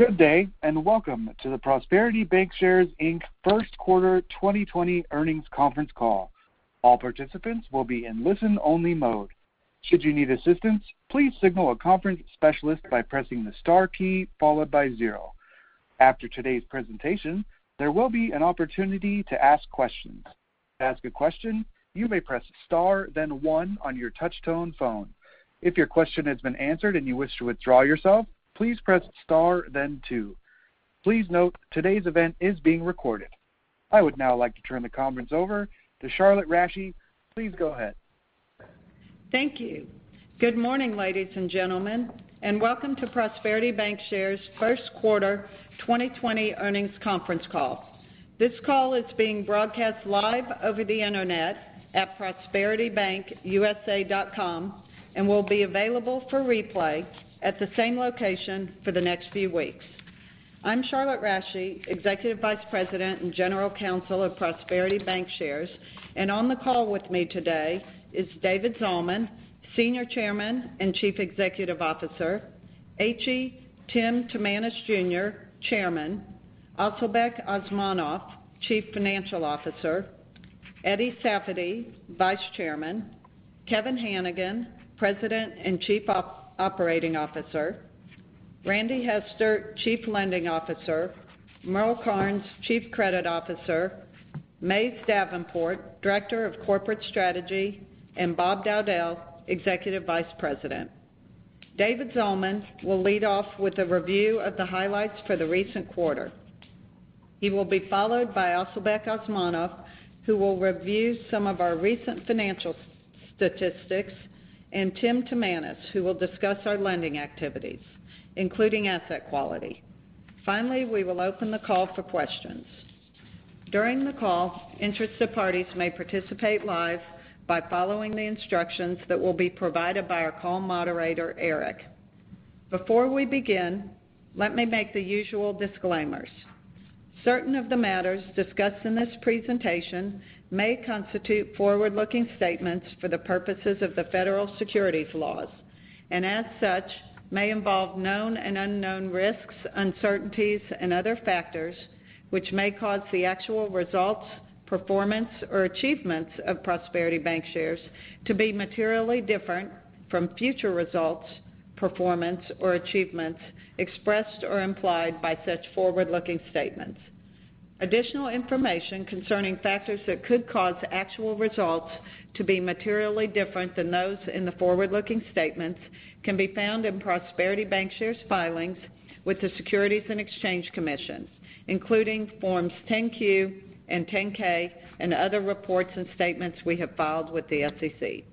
Good day. Welcome to the Prosperity Bancshares, Inc. first quarter 2020 earnings conference call. All participants will be in listen only mode. Should you need assistance, please signal a conference specialist by pressing the star key followed by zero. After today's presentation, there will be an opportunity to ask questions. To ask a question, you may press star then one on your touchtone phone. If your question has been answered and you wish to withdraw yourself, please press star then two. Please note, today's event is being recorded. I would now like to turn the conference over to Charlotte Rasche. Please go ahead. Thank you. Good morning, ladies and gentlemen, and welcome to Prosperity Bancshares' first quarter 2020 earnings conference call. This call is being broadcast live over the internet at prosperitybankusa.com, and will be available for replay at the same location for the next few weeks. I'm Charlotte Rasche, Executive Vice President and General Counsel of Prosperity Bancshares, and on the call with me today is David Zalman, Senior Chairman and Chief Executive Officer, H.E. Tim Timanus Jr., Chairman, Asylbek Osmonov, Chief Financial Officer, Eddie Safady, Vice Chairman, Kevin Hanigan, President and Chief Operating Officer, Randy Hester, Chief Lending Officer, Merle Karnes, Chief Credit Officer, Mays Davenport, Director of Corporate Strategy, and Bob Dowdell, Executive Vice President. David Zalman will lead off with a review of the highlights for the recent quarter. He will be followed by Asylbek Osmonov, who will review some of our recent financial statistics, and Tim Timanus, who will discuss our lending activities, including asset quality. Finally, we will open the call for questions. During the call, interested parties may participate live by following the instructions that will be provided by our call moderator, Eric. Before we begin, let me make the usual disclaimers. Certain of the matters discussed in this presentation may constitute forward-looking statements for the purposes of the federal securities laws, and as such, may involve known and unknown risks, uncertainties and other factors, which may cause the actual results, performance, or achievements of Prosperity Bancshares to be materially different from future results, performance or achievements expressed or implied by such forward-looking statements. Additional information concerning factors that could cause actual results to be materially different than those in the forward-looking statements can be found in Prosperity Bancshares' filings with the Securities and Exchange Commission, including forms 10-Q and 10-K and other reports and statements we have filed with the SEC.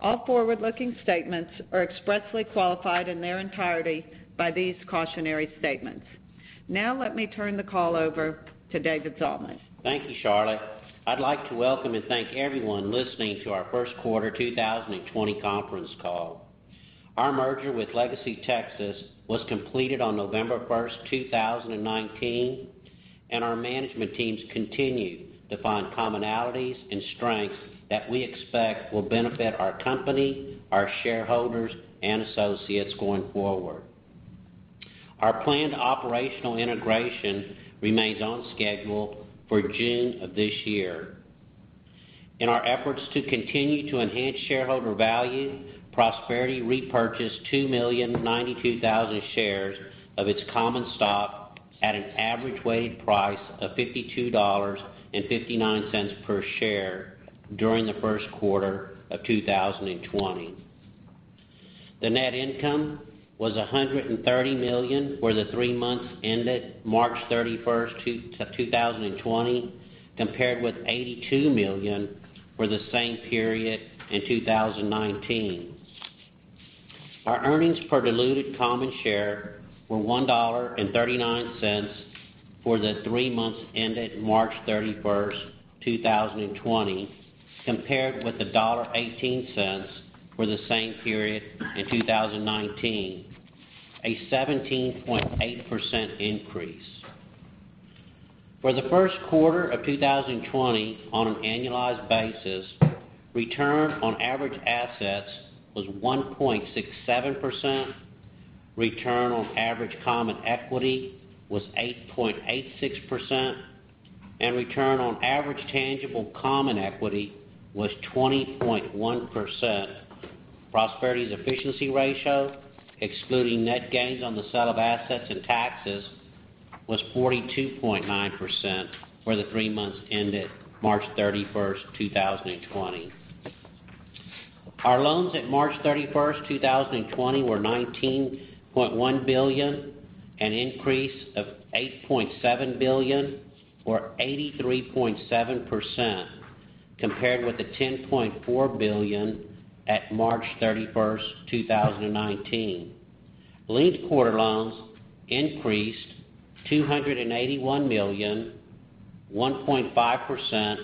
All forward-looking statements are expressly qualified in their entirety by these cautionary statements. Let me turn the call over to David Zalman. Thank you, Charlotte. I'd like to welcome and thank everyone listening to our first quarter 2020 conference call. Our merger with LegacyTexas was completed on November 1st, 2019. Our management teams continue to find commonalities and strengths that we expect will benefit our company, our shareholders, and associates going forward. Our planned operational integration remains on schedule for June of this year. In our efforts to continue to enhance shareholder value, Prosperity repurchased 2,092,000 shares of its common stock at an average weighted price of $52.59 per share during the first quarter of 2020. The net income was $130 million for the three months ended March 31st, 2020, compared with $82 million for the same period in 2019. Our earnings per diluted common share were $1.39 for the three months ended March 31st, 2020, compared with $1.18 for the same period in 2019, a 17.8% increase. For the first quarter of 2020, on an annualized basis, return on average assets was 1.67%, return on average common equity was 8.86%, and return on average tangible common equity was 20.1%. Prosperity's efficiency ratio, excluding net gains on the sale of assets and taxes, was 42.9% for the three months ended March 31st, 2020. Our loans at March 31st, 2020, were $19.1 billion, an increase of $8.7 billion, or 83.7%, compared with the $10.4 billion at March 31st, 2019. Linked quarter loans increased $281 million, 1.5%,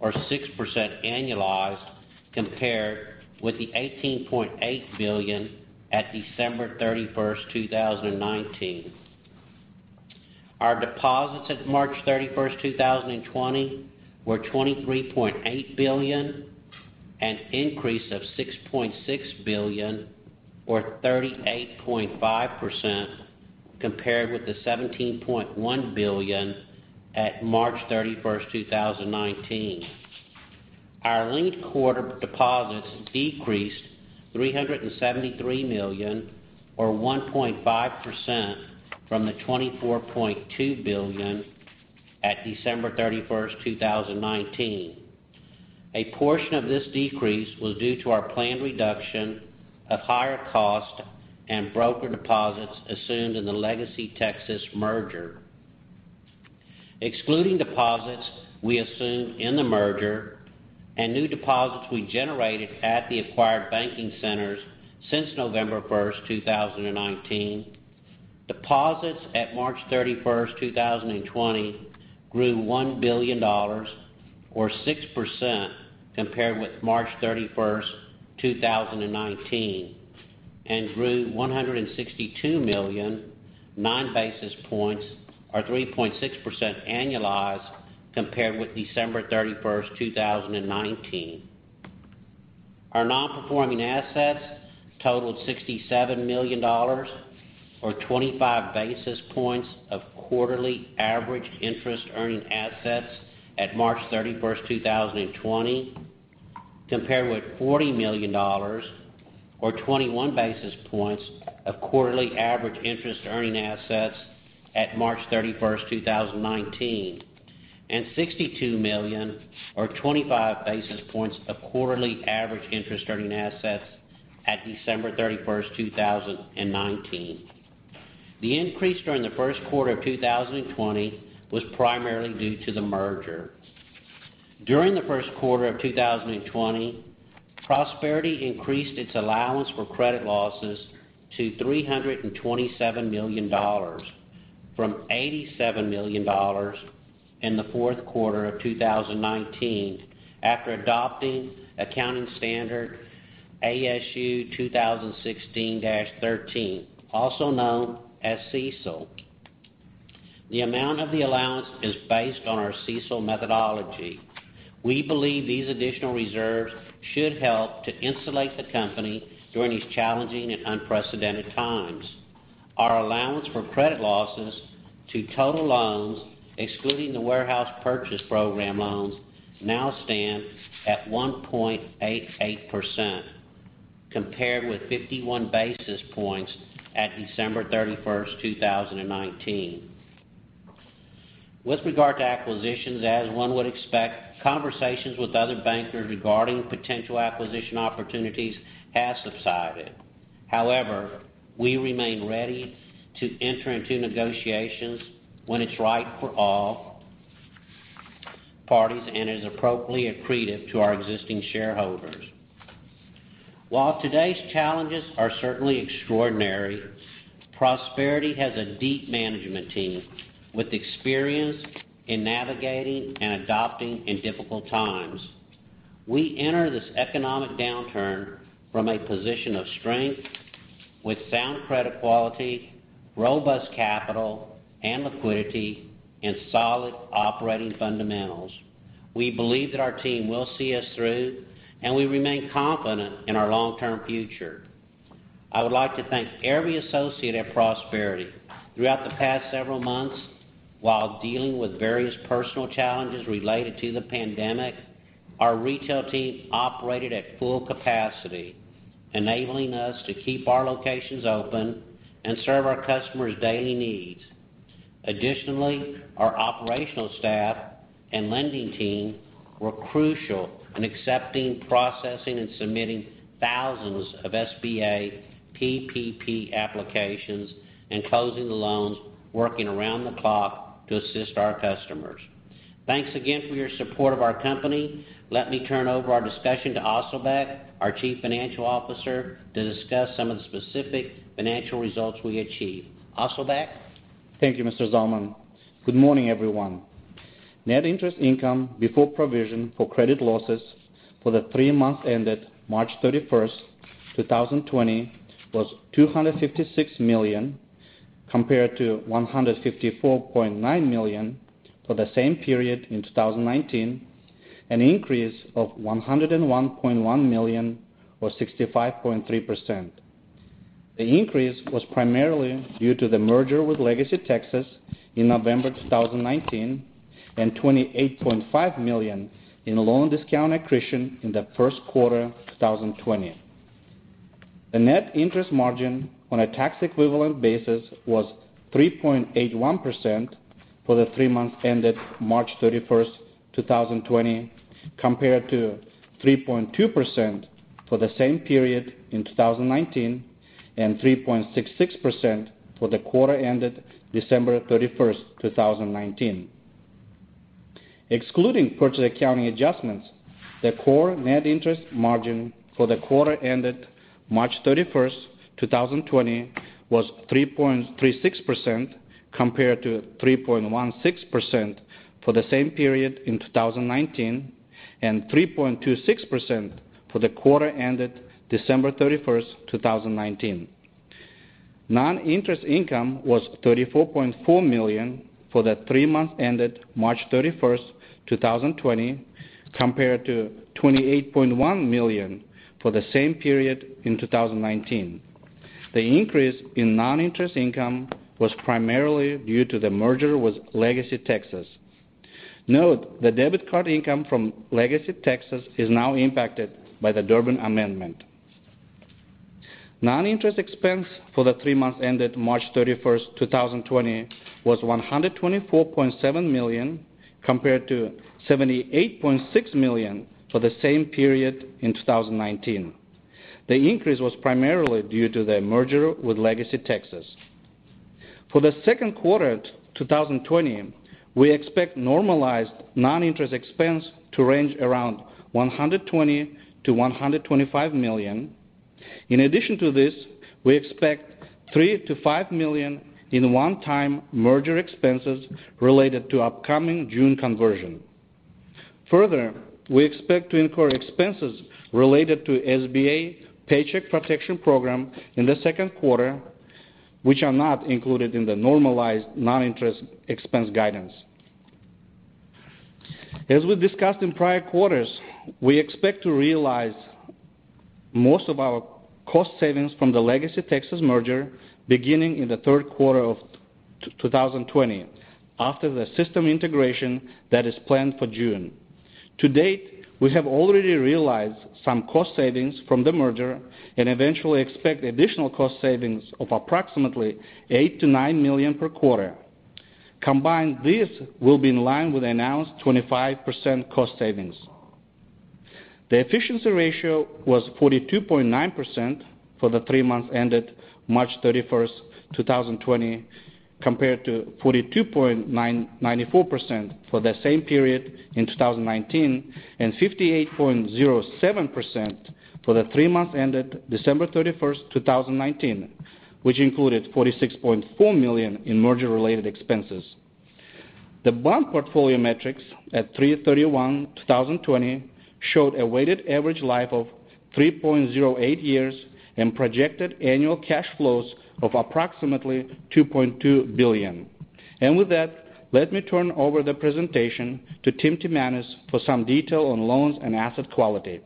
or 6% annualized compared with the $18.8 billion at December 31st, 2019. Our deposits at March 31st, 2020 were $23.8 billion, an increase of $6.6 billion or 38.5% compared with the $17.1 billion at March 31st, 2019. Our linked quarter deposits decreased $373 million or 1.5% from the $24.2 billion at December 31st, 2019. A portion of this decrease was due to our planned reduction of higher cost and broker deposits assumed in the LegacyTexas merger. Excluding deposits we assumed in the merger and new deposits we generated at the acquired banking centers since November 1st, 2019, deposits at March 31st, 2020 grew $1 billion or 6% compared with March 31st, 2019, and grew $162 million, nine basis points or 3.6% annualized compared with December 31st, 2019. Our non-performing assets totaled $67 million or 25 basis points of quarterly average interest earning assets at March 31st, 2020 compared with $40 million or 21 basis points of quarterly average interest earning assets at March 31st, 2019, and $62 million or 25 basis points of quarterly average interest earning assets at December 31st, 2019. The increase during the first quarter of 2020 was primarily due to the merger. During the first quarter of 2020, Prosperity increased its allowance for credit losses to $327 million from $87 million in the fourth quarter of 2019 after adopting accounting standard ASU 2016-13, also known as CECL. The amount of the allowance is based on our CECL methodology. We believe these additional reserves should help to insulate the company during these challenging and unprecedented times. Our allowance for credit losses to total loans, excluding the Warehouse Purchase Program loans, now stand at 1.88%, compared with 51 basis points at December 31st, 2019. With regard to acquisitions, as one would expect, conversations with other bankers regarding potential acquisition opportunities have subsided. We remain ready to enter into negotiations when it's right for all parties and is appropriately accretive to our existing shareholders. While today's challenges are certainly extraordinary, Prosperity has a deep management team with experience in navigating and adapting in difficult times. We enter this economic downturn from a position of strength with sound credit quality, robust capital and liquidity, and solid operating fundamentals. We believe that our team will see us through, and we remain confident in our long-term future. I would like to thank every associate at Prosperity. Throughout the past several months while dealing with various personal challenges related to the pandemic, our retail team operated at full-capacity, enabling us to keep our locations open and serve our customers' daily needs. Additionally, our operational staff and lending team were crucial in accepting, processing, and submitting thousands of SBA PPP applications and closing the loans, working around the clock to assist our customers. Thanks again for your support of our company. Let me turn over our discussion to Asylbek, our Chief Financial Officer, to discuss some of the specific financial results we achieved. Asylbek? Thank you, Mr. Zalman. Good morning, everyone. Net interest income before provision for credit losses for the three months ended March 31st, 2020, was $256 million compared to $154.9 million for the same period in 2019, an increase of $101.1 million or 65.3%. The increase was primarily due to the merger with LegacyTexas in November 2019 and $28.5 million in loan discount accretion in the first quarter of 2020. The net interest margin on a tax equivalent basis was 3.81% for the three months ended March 31st, 2020, compared to 3.2% for the same period in 2019 and 3.66% for the quarter ended December 31st, 2019. Excluding purchase accounting adjustments, the core net interest margin for the quarter ended March 31st, 2020, was 3.36% compared to 3.16% for the same period in 2019 and 3.26% for the quarter ended December 31st, 2019. Non-interest income was $34.4 million for the three months ended March 31st, 2020, compared to $28.1 million for the same period in 2019. The increase in non-interest income was primarily due to the merger with LegacyTexas. Note, the debit card income from LegacyTexas is now impacted by the Durbin Amendment. Non-interest expense for the three months ended March 31st, 2020 was $124.7 million compared to $78.6 million for the same period in 2019. The increase was primarily due to the merger with LegacyTexas. For the second quarter of 2020, we expect normalized non-interest expense to range around $120 million-$125 million. In addition to this, we expect $3 million-$5 million in one-time merger expenses related to upcoming June conversion. We expect to incur expenses related to SBA Paycheck Protection Program in the second quarter, which are not included in the normalized non-interest expense guidance. As we discussed in prior quarters, we expect to realize most of our cost savings from the LegacyTexas merger beginning in the third quarter of 2020, after the system integration that is planned for June. To date, we have already realized some cost savings from the merger and eventually expect additional cost savings of approximately $8 million-$9 million per quarter. Combined, this will be in line with announced 25% cost savings. The efficiency ratio was 42.9% for the three months ended March 31, 2020, compared to 42.94% for the same period in 2019, and 58.07% for the three months ended December 31, 2019, which included $46.4 million in merger-related expenses. The bond portfolio metrics at March 31, 2020 showed a weighted average life of 3.08 years and projected annual cash flows of approximately $2.2 billion. With that, let me turn over the presentation to Tim Timanus for some detail on loans and asset quality.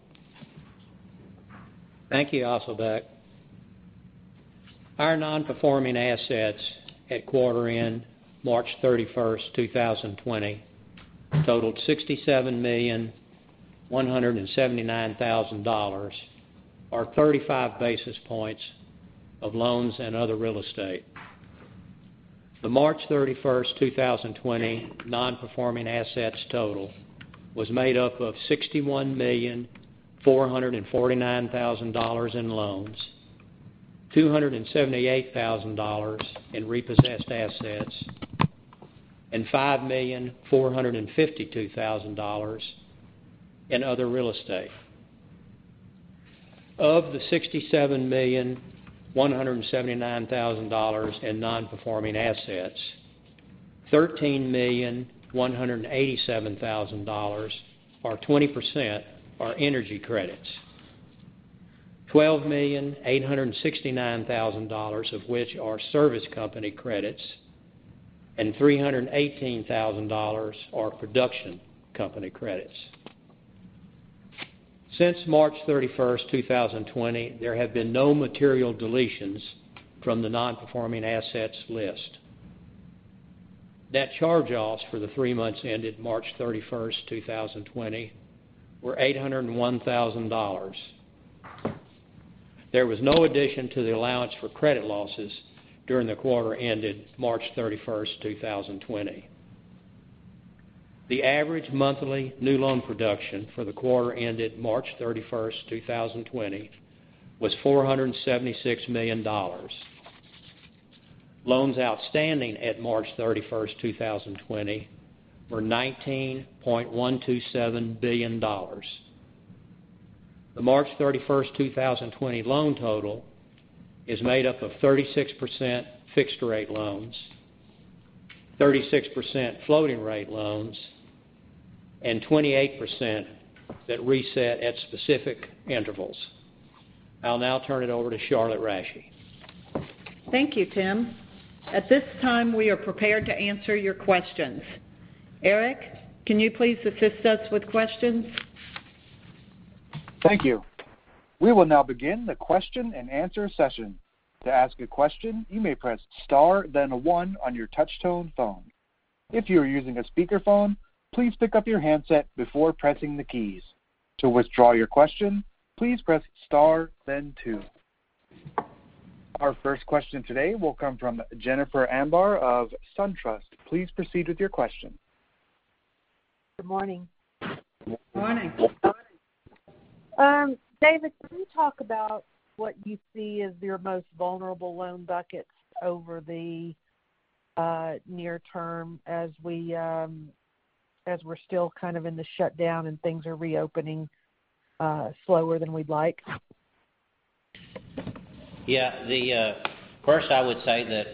Thank you, Asylbek. Our non-performing assets at quarter end March 31st, 2020, totaled $67,179,000, or 35 basis points of loans and other real estate. The March 31st, 2020 non-performing assets total was made up of $61,449,000 in loans, $278,000 in repossessed assets, and $5,452,000 in other real estate. Of the $67,179,000 in non-performing assets, $13,187,000, or 20%, are energy credits, $12,869,000 of which are service company credits, and $318,000 are production company credits. Since March 31st, 2020, there have been no material deletions from the non-performing assets list. Net charge-offs for the three months ended March 31st, 2020, were $801,000. There was no addition to the allowance for credit losses during the quarter ended March 31st, 2020. The average monthly new loan production for the quarter ended March 31st, 2020, was $476 million. Loans outstanding at March 31st, 2020, were $19.127 billion. The March 31st, 2020 loan total is made up of 36% fixed rate loans, 36% floating rate loans, and 28% that reset at specific intervals. I'll now turn it over to Charlotte Rasche. Thank you, Tim. At this time, we are prepared to answer your questions. Eric, can you please assist us with questions? Thank you. We will now begin the question and answer session. To ask a question, you may press star then one on your touch tone phone. If you are using a speakerphone, please pick up your handset before pressing the keys. To withdraw your question, please press star then two. Our first question today will come from Jennifer Demba of SunTrust. Please proceed with your question. Good morning. Morning. David, can you talk about what you see as your most vulnerable loan buckets over the near term as we're still kind of in the shutdown and things are reopening slower than we'd like? Yeah. First, I would say that,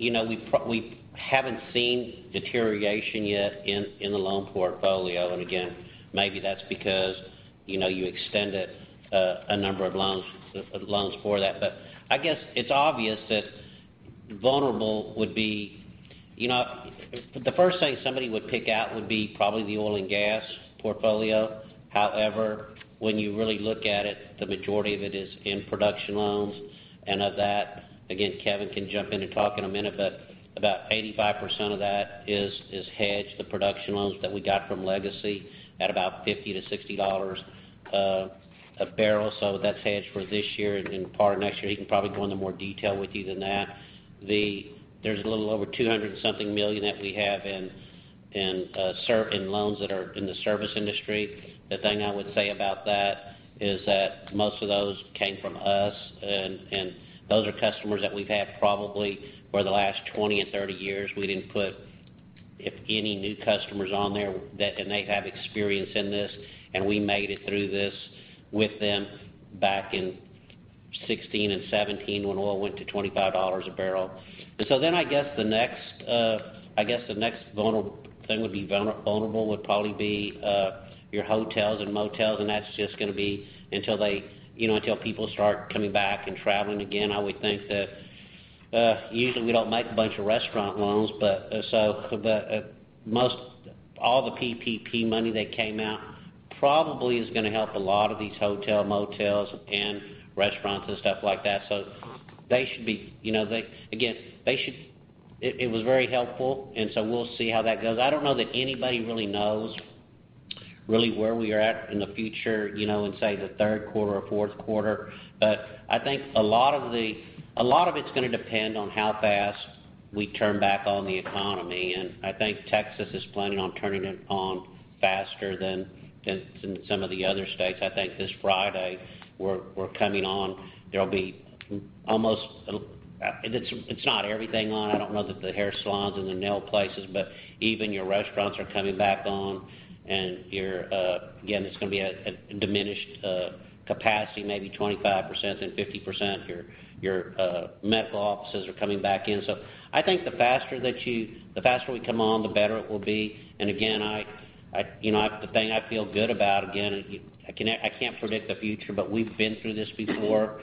We haven't seen deterioration yet in the loan portfolio. Again, maybe that's because you extended a number of loans for that. I guess it's obvious that vulnerable would be the first thing somebody would pick out would be probably the oil and gas portfolio. However, when you really look at it, the majority of it is in production loans. Of that, again, Kevin can jump in and talk in a minute, but about 85% of that is hedged, the production loans that we got from Legacy, at about $50-$60 a bbl. That's hedged for this year and part of next year. He can probably go into more detail with you than that. There's a little over $200 and something million that we have in loans that are in the service industry. The thing I would say about that is that most of those came from us, and those are customers that we've had probably for the last 20 and 30 years. We didn't put any new customers on there, and they have experience in this, and we made it through this with them back in 2016 and 2017 when oil went to $25 a bbl. I guess the next vulnerable thing would probably be your hotels and motels, and that's just going to be until people start coming back and traveling again. I always think that usually we don't make a bunch of restaurant loans, but all the PPP money that came out probably is going to help a lot of these hotel, motels, and restaurants, and stuff like that. Again, it was very helpful, and so we'll see how that goes. I don't know that anybody really knows where we are at in the future, in, say, the third quarter or fourth quarter. I think a lot of it's going to depend on how fast we turn back on the economy, and I think Texas is planning on turning it on faster than some of the other states. I think this Friday we're coming on. It's not everything on. I don't know that the hair salons and the nail places, but even your restaurants are coming back on, and again, it's going to be at diminished capacity, maybe 25% and 50%. Your medical offices are coming back in. I think the faster we come on, the better it will be. Again, the thing I feel good about, again, I can't predict the future, but we've been through this before.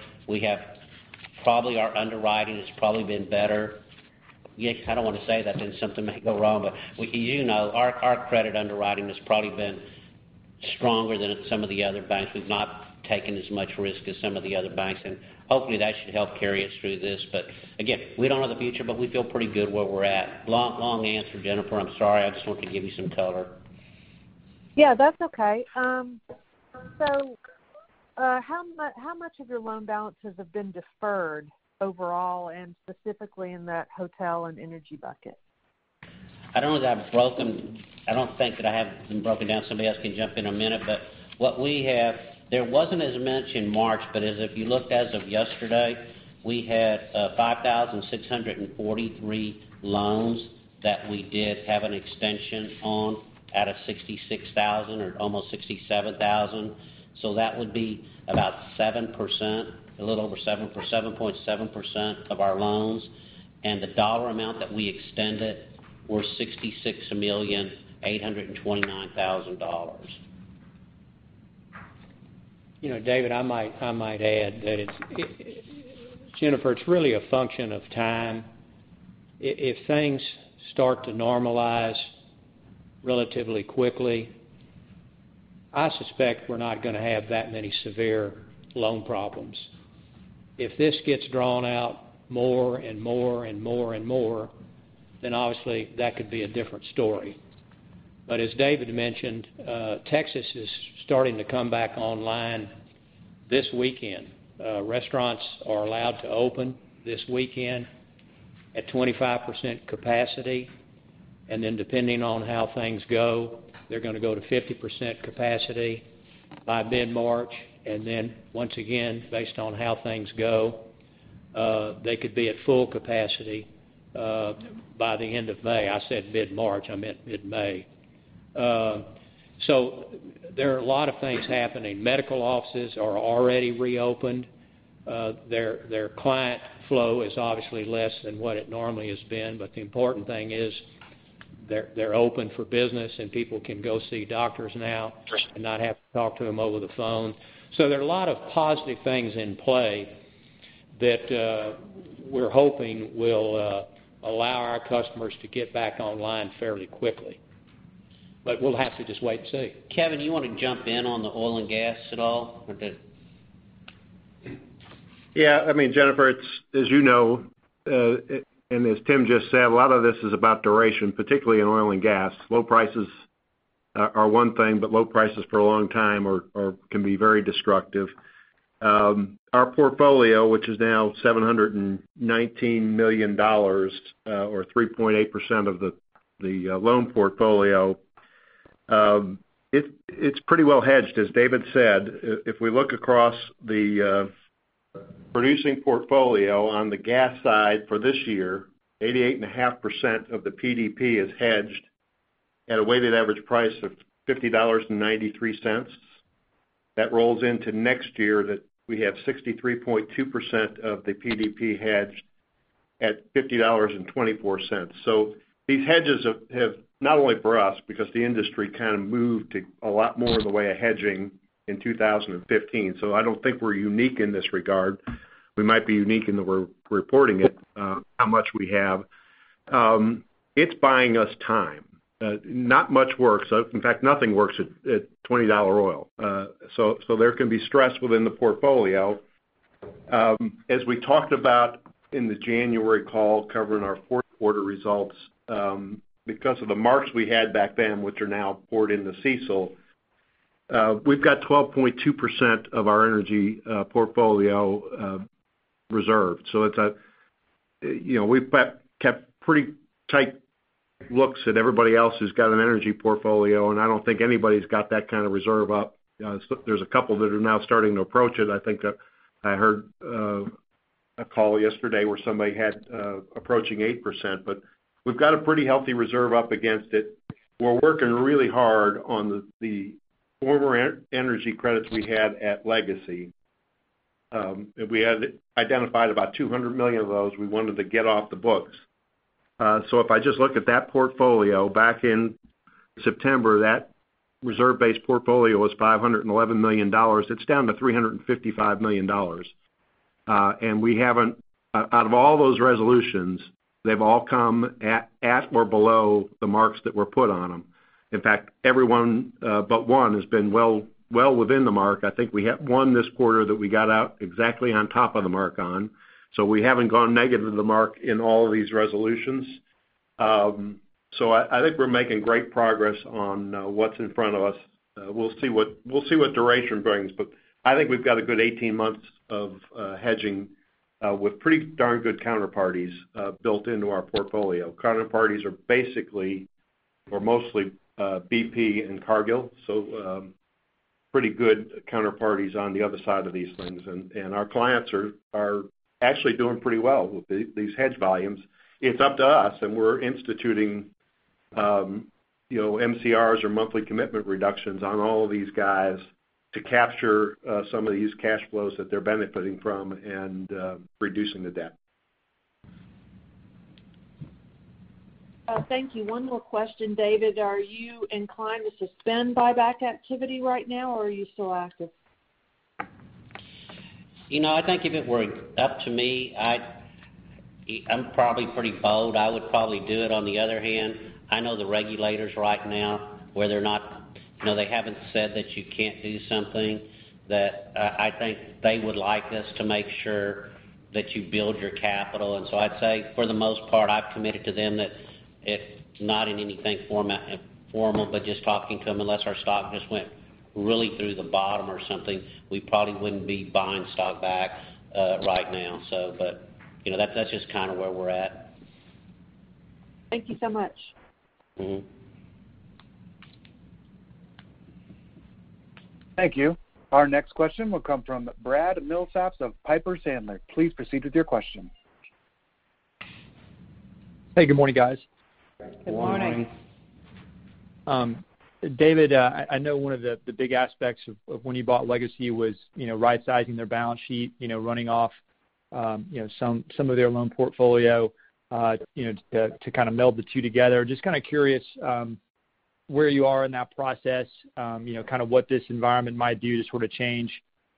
Our underwriting has probably been better. I don't want to say that, then something may go wrong, but our credit underwriting has probably been stronger than some of the other banks. We've not taken as much risk as some of the other banks, and hopefully, that should help carry us through this. Again, we don't know the future, but we feel pretty good where we're at. Long answer, Jennifer. I'm sorry. I just wanted to give you some color. Yeah. That's okay. How much of your loan balances have been deferred overall, and specifically in that hotel and energy bucket? I don't know that I have it broken. I don't think that I have them broken down. Somebody else can jump in a minute. There wasn't as much in March, but as if you looked as of yesterday, we had 5,643 loans that we did have an extension on out of 66,000 or almost 67,000. That would be about 7%, a little over 7.7% of our loans. The dollar amount that we extended were $66,829,000. David, I might add that, Jennifer, it's really a function of time. If things start to normalize relatively quickly, I suspect we're not going to have that many severe loan problems. If this gets drawn out more and more and more and more, then obviously, that could be a different story. As David mentioned, Texas is starting to come back online this weekend. Restaurants are allowed to open this weekend at 25% capacity, and then depending on how things go, they're going to go to 50% capacity by mid-March. Then once again, based on how things go, they could be at full capacity by the end of May. I said mid-March, I meant mid-May. There are a lot of things happening. Medical offices are already reopened. Their client flow is obviously less than what it normally has been, but the important thing is they're open for business, and people can go see doctors now and not have to talk to them over the phone. There are a lot of positive things in play that we're hoping will allow our customers to get back online fairly quickly. We'll have to just wait and see. Kevin, you want to jump in on the oil and gas at all? Or the? Jennifer, as you know, and as Tim just said, a lot of this is about duration, particularly in oil and gas. Low prices are one thing, but low prices for a long time can be very destructive. Our portfolio, which is now $719 million, or 3.8% of the loan portfolio, it's pretty well hedged, as David said. If we look across the producing portfolio on the gas side for this year, 88.5% of the PDP is hedged at a weighted average price of $50.93. That rolls into next year, that we have 63.2% of the PDP hedge at $50.24. These hedges have, not only for us, because the industry kind of moved a lot more in the way of hedging in 2015. I don't think we're unique in this regard. We might be unique in that we're reporting it, how much we have. It's buying us time. Not much works, in fact, nothing works at $20 oil. There can be stress within the portfolio. As we talked about in the January call covering our fourth quarter results, because of the marks we had back then, which are now poured into CECL, we've got 12.2% of our energy portfolio reserved. We've kept pretty tight looks at everybody else who's got an energy portfolio, and I don't think anybody's got that kind of reserve up. There's a couple that are now starting to approach it. I think I heard a call yesterday where somebody had approaching 8%, we've got a pretty healthy reserve up against it. We're working really hard on the former energy credits we had at Legacy. We had identified about $200 million of those we wanted to get off the books. If I just look at that portfolio back in September, that reserve base portfolio was $511 million. It's down to $355 million. Out of all those resolutions, they've all come at or below the marks that were put on them. In fact, every one but one has been well within the mark. I think we have one this quarter that we got out exactly on top of the mark on. We haven't gone negative of the mark in all of these resolutions. I think we're making great progress on what's in front of us. We'll see what duration brings, but I think we've got a good 18 months of hedging with pretty darn good counterparties built into our portfolio. Counterparties are basically, or mostly BP and Cargill, so pretty good counterparties on the other side of these things. Our clients are actually doing pretty well with these hedge volumes. It's up to us, and we're instituting MCRs, or monthly commitment reductions, on all of these guys to capture some of these cash flows that they're benefiting from and reducing the debt. Thank you. One more question, David. Are you inclined to suspend buyback activity right now, or are you still active? I think if it were up to me, I'm probably pretty bold. I would probably do it. On the other hand, I know the regulators right now, while they haven't said that you can't do something, that I think they would like us to make sure that you build your capital. I'd say for the most part, I've committed to them that it's not in anything formal, but just talking to them, unless our stock just went really through the bottom or something, we probably wouldn't be buying stock back right now. That's just kind of where we're at. Thank you so much. Thank you. Our next question will come from Brad Milsaps of Piper Sandler. Please proceed with your question. Hey, good morning, guys. Good morning. David, I know one of the big aspects of when you bought Legacy was right-sizing their balance sheet, running off some of their loan portfolio to kind of meld the two together. Just kind of curious where you are in that process, kind of what this environment might do to sort of change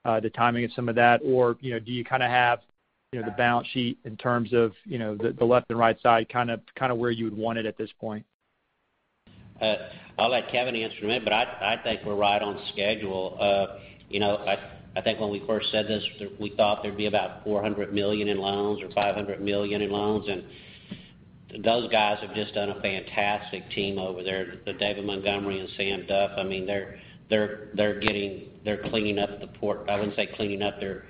the timing of some of that, or do you kind of have the balance sheet in terms of the left and right side kind of where you would want it at this point? I'll let Kevin answer in a minute, but I think we're right on schedule. I think when we first said this, we thought there'd be about $400 million in loans or $500 million in loans, and those guys have just done a fantastic team over there. David Montgomery and Sam Duff, they're cleaning up the port. I wouldn't say cleaning up. They're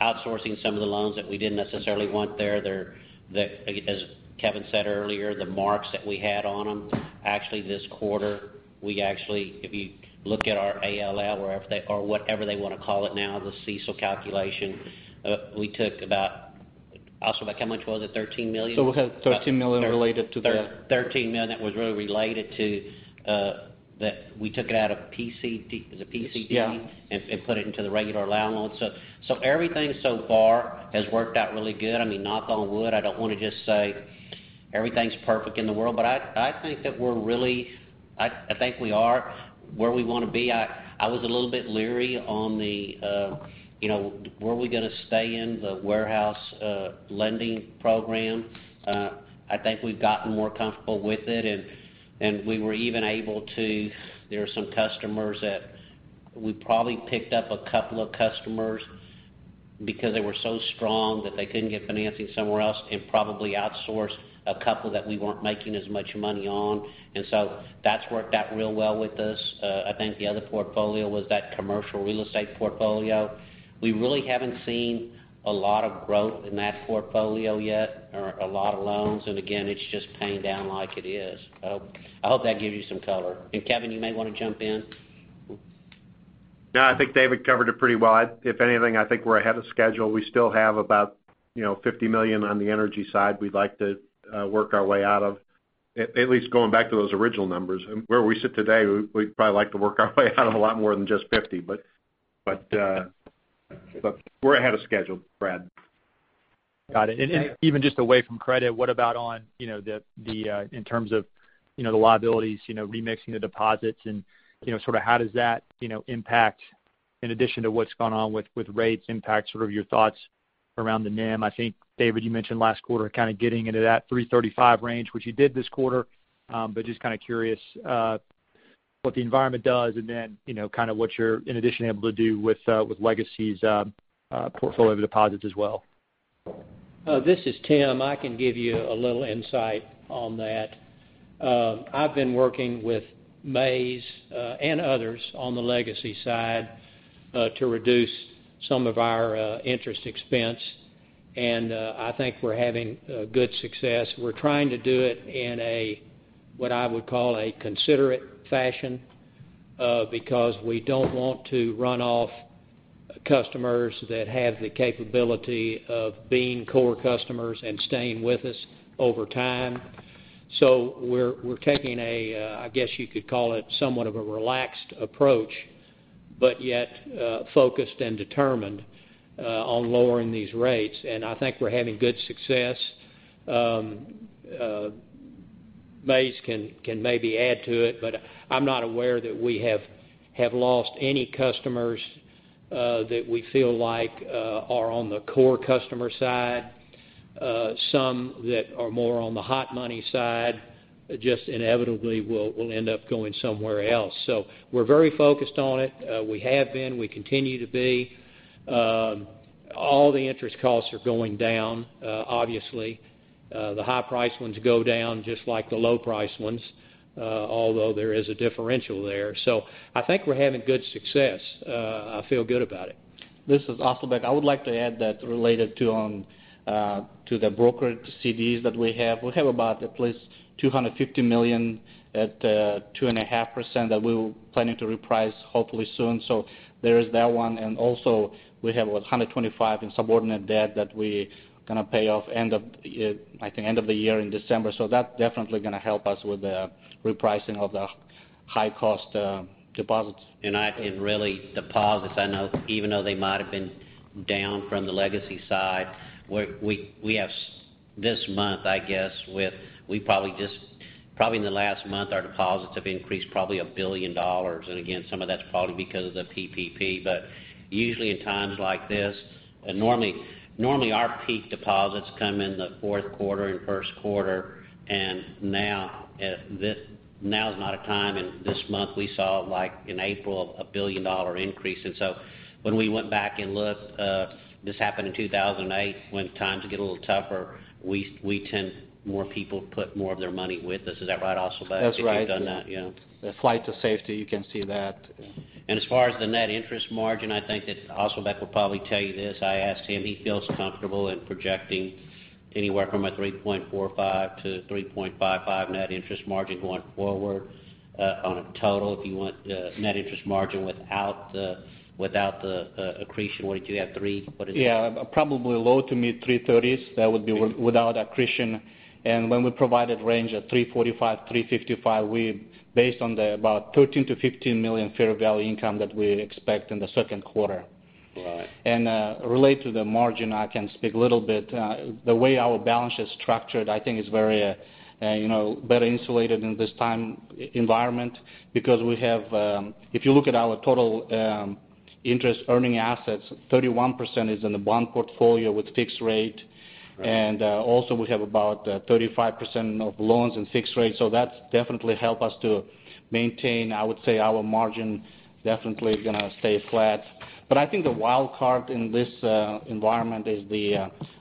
outsourcing some of the loans that we didn't necessarily want there. As Kevin said earlier, the marks that we had on them, actually this quarter, if you look at our ALL, or whatever they want to call it now, the CECL calculation, we took about, also like how much was it, $13 million? We had $13 million. $13 million that was really related to, we took it out of PCD. Yeah. Put it into the regular allow loans. Everything so far has worked out really good. Knock on wood, I don't want to just say everything's perfect in the world, but I think we are where we want to be. I was a little bit leery on were we going to stay in the Warehouse Purchase Program. I think we've gotten more comfortable with it, and we were even able to, there are some customers that we probably picked up a couple of customers because they were so strong that they couldn't get financing somewhere else, and probably outsourced a couple that we weren't making as much money on. That's worked out real well with us. I think the other portfolio was that commercial real estate portfolio. We really haven't seen a lot of growth in that portfolio yet, or a lot of loans. Again, it's just paying down like it is. I hope that gives you some color. Kevin, you may want to jump in. No, I think David covered it pretty well. If anything, I think we're ahead of schedule. We still have about $50 million on the energy side we'd like to work our way out of, at least going back to those original numbers. Where we sit today, we'd probably like to work our way out a lot more than just $50, but we're ahead of schedule, Brad. Got it. Even just away from credit, what about in terms of the liabilities, remixing the deposits, and how does that impact, in addition to what's gone on with rates, impact some of your thoughts around the NIM? I think, David, you mentioned last quarter kind of getting into that 335 range, which you did this quarter. Just kind of curious what the environment does, and then kind of what you're in addition able to do with Legacy's portfolio of deposits as well. This is Tim. I can give you a little insight on that. I've been working with Mays and others on the Legacy's side to reduce some of our interest expense. I think we're having good success. We're trying to do it in a, what I would call, a considerate fashion, because we don't want to run off customers that have the capability of being core customers and staying with us over time. We're taking a, I guess you could call it, somewhat of a relaxed approach, but yet focused and determined on lowering these rates. I think we're having good success. Mays can maybe add to it, but I'm not aware that we have lost any customers that we feel like are on the core customer side. Some that are more on the hot money side just inevitably will end up going somewhere else. We're very focused on it. We have been. We continue to be. All the interest costs are going down, obviously. The high price ones go down just like the low price ones, although there is a differential there. I think we're having good success. I feel good about it. This is Asylbek. I would like to add that related to the brokerage CDs that we have, we have about at least $250 million at 2.5% that we're planning to reprice hopefully soon. There is that one, and also we have $125 in subordinate debt that we are going to pay off by the end of the year in December. That's definitely going to help us with the repricing of the high cost deposits. Really deposits, I know even though they might have been down from the Legacy's side, this month, I guess, probably in the last month, our deposits have increased probably $1 billion. Again, some of that's probably because of the PPP. Usually in times like this, normally our peak deposits come in the fourth quarter and first quarter, now is not a time, and this month we saw, in April, a $1 billion increase. When we went back and looked, this happened in 2008, when times get a little tougher, we tend, more people put more of their money with us. Is that right, Asylbek? That's right. If you've done that, yeah. The flight to safety, you can see that. As far as the net interest margin, I think that Asylbek will probably tell you this. I asked him, he feels comfortable in projecting anywhere from a 3.45-3.55 net interest margin going forward on a total. If you want net interest margin without the accretion, what did you have, three? What is it? Yeah, probably low to mid $3.30s. That would be without accretion. When we provided range of $3.45-$3.55, based on the about $13 million-$15 million fair value income that we expect in the second quarter. Right. Related to the margin, I can speak a little bit. The way our balance sheet is structured, I think is very better insulated in this time environment because if you look at our total interest earning assets, 31% is in the bond portfolio with fixed rate. Right. Also we have about 35% of loans in fixed rate. That's definitely help us to maintain, I would say, our margin definitely going to stay flat. I think the wild card in this environment is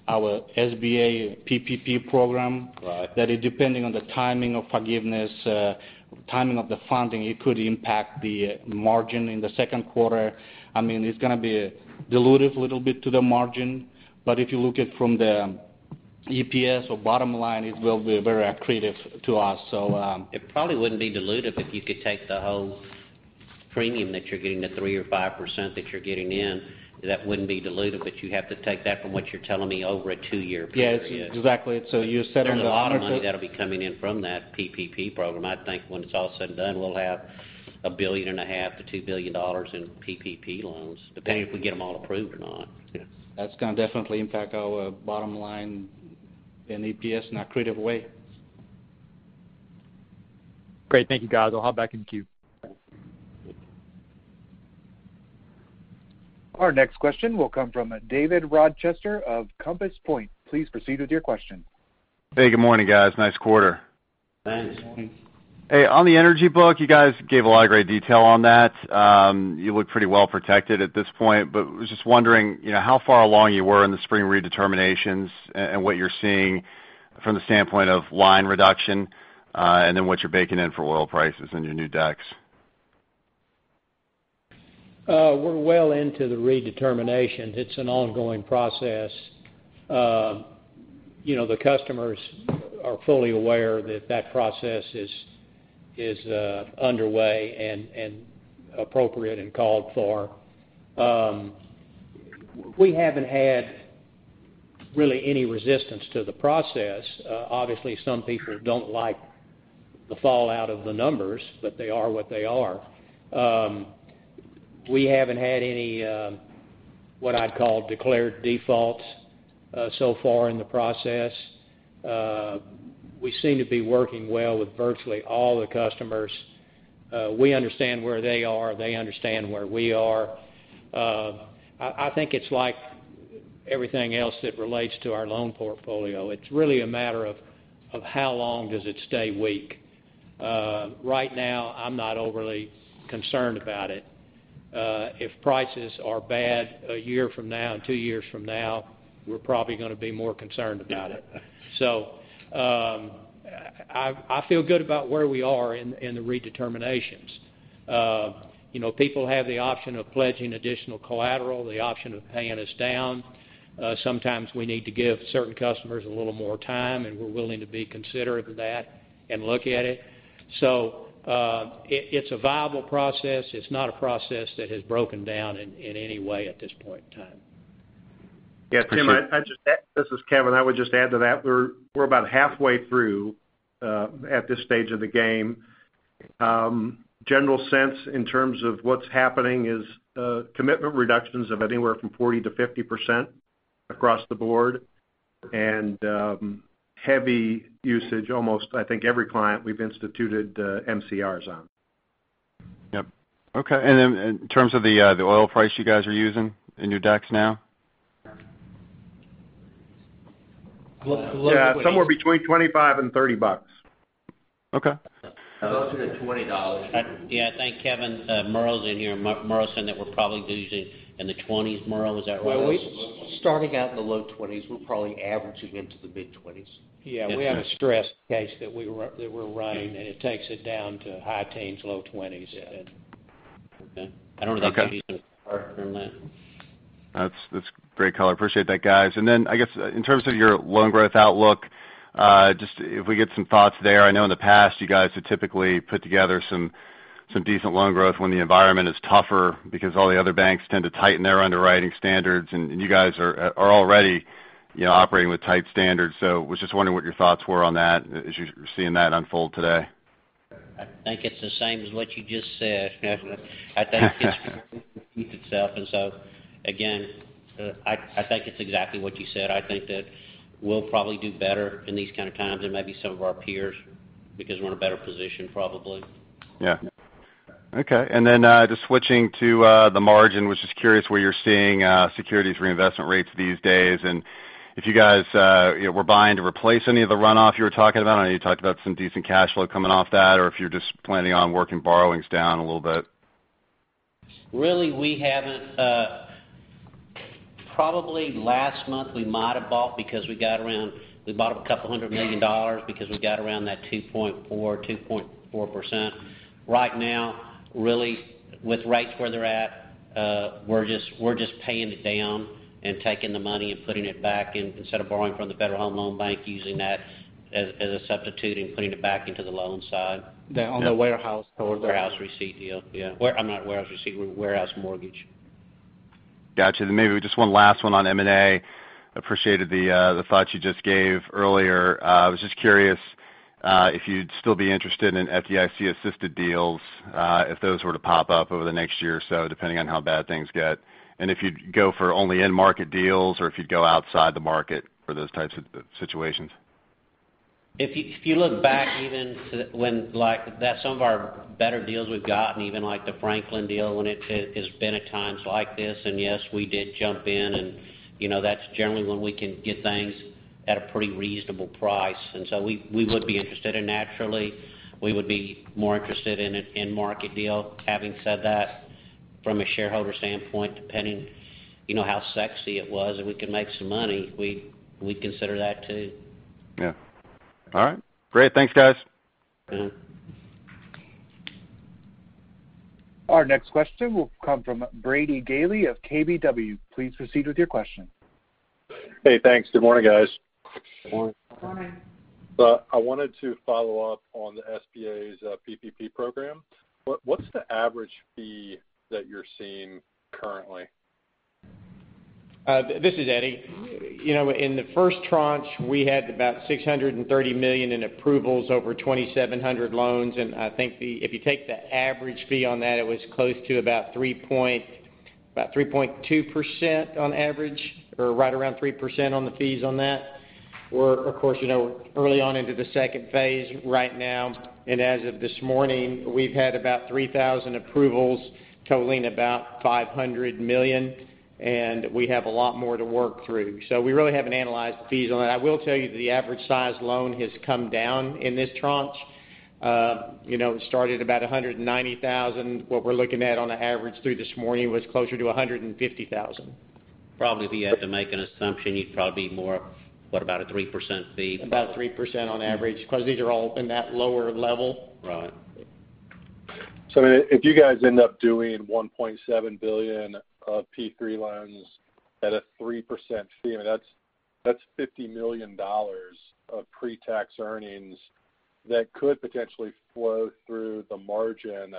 our SBA PPP program. Right. That is depending on the timing of forgiveness, timing of the funding, it could impact the margin in the second quarter. It's going to be dilutive little bit to the margin, but if you look at from the EPS or bottom line, it will be very accretive to us. It probably wouldn't be dilutive if you could take the whole premium that you're getting, the three or five percent that you're getting in. That wouldn't be dilutive, but you have to take that from what you're telling me over a two-year period. Yes. Exactly. There's a lot of money that'll be coming in from that PPP Program. I think once it's all said and done, we'll have $1.5 billion-$2 billion in PPP loans, depending if we get them all approved or not. Yes. That's going to definitely impact our bottom line and EPS in accretive way. Great. Thank you, guys. I'll hop back in the queue. Our next question will come from David Rochester of Compass Point. Please proceed with your question. Hey, good morning, guys. Nice quarter. Thanks. Hey, on the energy book, you guys gave a lot of great detail on that. You look pretty well protected at this point, but was just wondering how far along you were in the spring redeterminations and what you're seeing from the standpoint of line reduction, and then what you're baking in for oil prices in your new decks. We're well into the redeterminations. It's an ongoing process. The customers are fully aware that that process is underway and appropriate and called for. We haven't had really any resistance to the process. Obviously, some people don't like the fallout of the numbers, but they are what they are. We haven't had any, what I'd call declared defaults so far in the process. We seem to be working well with virtually all the customers. We understand where they are, they understand where we are. I think it's like everything else that relates to our loan portfolio. It's really a matter of how long does it stay weak. Right now, I'm not overly concerned about it. If prices are bad a year from now, and two years from now, we're probably going to be more concerned about it. I feel good about where we are in the redeterminations. People have the option of pledging additional collateral, the option of paying us down. Sometimes we need to give certain customers a little more time, and we're willing to be considerate of that and look at it. It's a viable process. It's not a process that has broken down in any way at this point in time. Yeah, Tim, this is Kevin. I would just add to that, we're about halfway through at this stage of the game. General sense in terms of what's happening is commitment reductions of anywhere from 40%-50% across the board. Heavy usage, almost, I think every client we've instituted MCRs on. Yep. Okay. In terms of the oil price you guys are using in your decks now? Yeah, somewhere between $25 and $30. Okay. Closer to $20. Yeah, I think Kevin, Merle's in here. Merle said that we're probably using in the $20s. Merle, is that right? Well, we're starting out in the low $20s. We're probably averaging into the mid $20s. Yeah, we have a stress case that we're running, and it takes it down to high teens, low $20s. Yeah. I don't think anybody's going to argue from that. That's great color. Appreciate that, guys. I guess in terms of your loan growth outlook, just if we get some thoughts there. I know in the past, you guys have typically put together some decent loan growth when the environment is tougher because all the other banks tend to tighten their underwriting standards, and you guys are already operating with tight standards. Was just wondering what your thoughts were on that as you're seeing that unfold today. I think it's the same as what you just said, Kevin. I think it speaks for itself. Again, I think it's exactly what you said. I think that we'll probably do better in these kind of times than maybe some of our peers because we're in a better position probably. Yeah. Okay. Just switching to the margin, was just curious where you're seeing securities reinvestment rates these days, and if you guys were buying to replace any of the runoff you were talking about. I know you talked about some decent cash flow coming off that, or if you're just planning on working borrowings down a little bit. Really, we haven't. Probably last month, we bought up $200 million because we got around that 2.4%. Right now, really, with rates where they're at, we're just paying it down and taking the money and putting it back in instead of borrowing from the Federal Home Loan Bank, using that as a substitute and putting it back into the loan side. On the warehouse. Warehouse receipt, yeah. I meant warehouse receipt, warehouse mortgage. Got you. Maybe just one last one on M&A. Appreciated the thoughts you just gave earlier. I was just curious if you'd still be interested in FDIC-assisted deals, if those were to pop up over the next year or so, depending on how bad things get. If you'd go for only in-market deals or if you'd go outside the market for those types of situations. If you look back even to when some of our better deals we've gotten, even like the Franklin deal when it has been at times like this, yes, we did jump in, that's generally when we can get things at a pretty reasonable price. We would be interested, naturally, we would be more interested in an in-market deal. Having said that, from a shareholder standpoint, depending how sexy it was, if we could make some money, we'd consider that too. Yeah. All right. Great. Thanks, guys. Our next question will come from Brady Gailey of KBW. Please proceed with your question. Hey, thanks. Good morning, guys. Morning. Morning. I wanted to follow up on the SBA's PPP program. What's the average fee that you're seeing currently? This is Eddie. In the first tranche, we had about $630 million in approvals over 2,700 loans. I think if you take the average fee on that, it was close to about 3.2% on average, or right around 3% on the fees on that. We're, of course, early on into the second phase right now. As of this morning, we've had about 3,000 approvals totaling about $500 million, and we have a lot more to work through. We really haven't analyzed the fees on that. I will tell you the average size loan has come down in this tranche. It started about $190,000. What we're looking at on the average through this morning was closer to $150,000. Probably if you had to make an assumption, you'd probably be more, what about a 3% fee? About 3% on average because these are all in that lower level. Right. If you guys end up doing $1.7 billion of P3 loans at a 3% fee, that's $50 million of pre-tax earnings that could potentially flow through the margin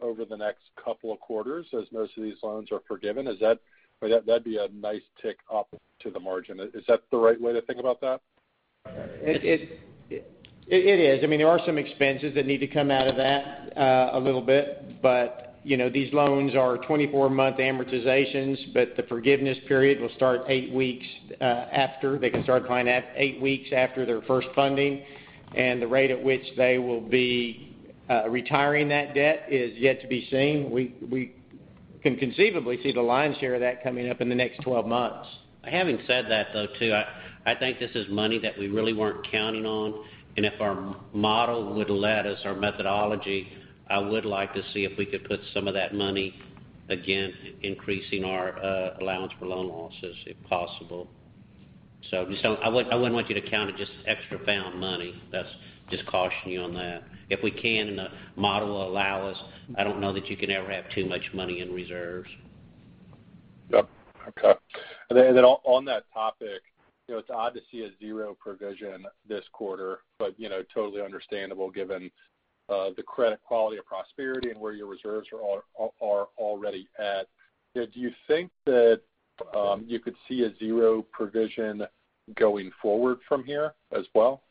over the next couple of quarters as most of these loans are forgiven. That'd be a nice tick up to the margin. Is that the right way to think about that? It is. There are some expenses that need to come out of that, a little bit. These loans are 24-month amortizations, but the forgiveness period will start eight weeks after. They can start applying eight weeks after their first funding. The rate at which they will be retiring that debt is yet to be seen. We can conceivably see the lion's share of that coming up in the next 12 months. Having said that, though, too, I think this is money that we really weren't counting on, and if our model would let us, our methodology, I would like to see if we could put some of that money, again, increasing our allowance for credit losses, if possible. I wouldn't want you to count it just extra found money. That's just caution you on that. If we can, and the model will allow us, I don't know that you can ever have too much money in reserves. Yep. Okay. On that topic, it's odd to see a zero provision this quarter, but totally understandable given the credit quality of Prosperity and where your reserves are already at. Do you think that you could see a zero provision going forward from here as well?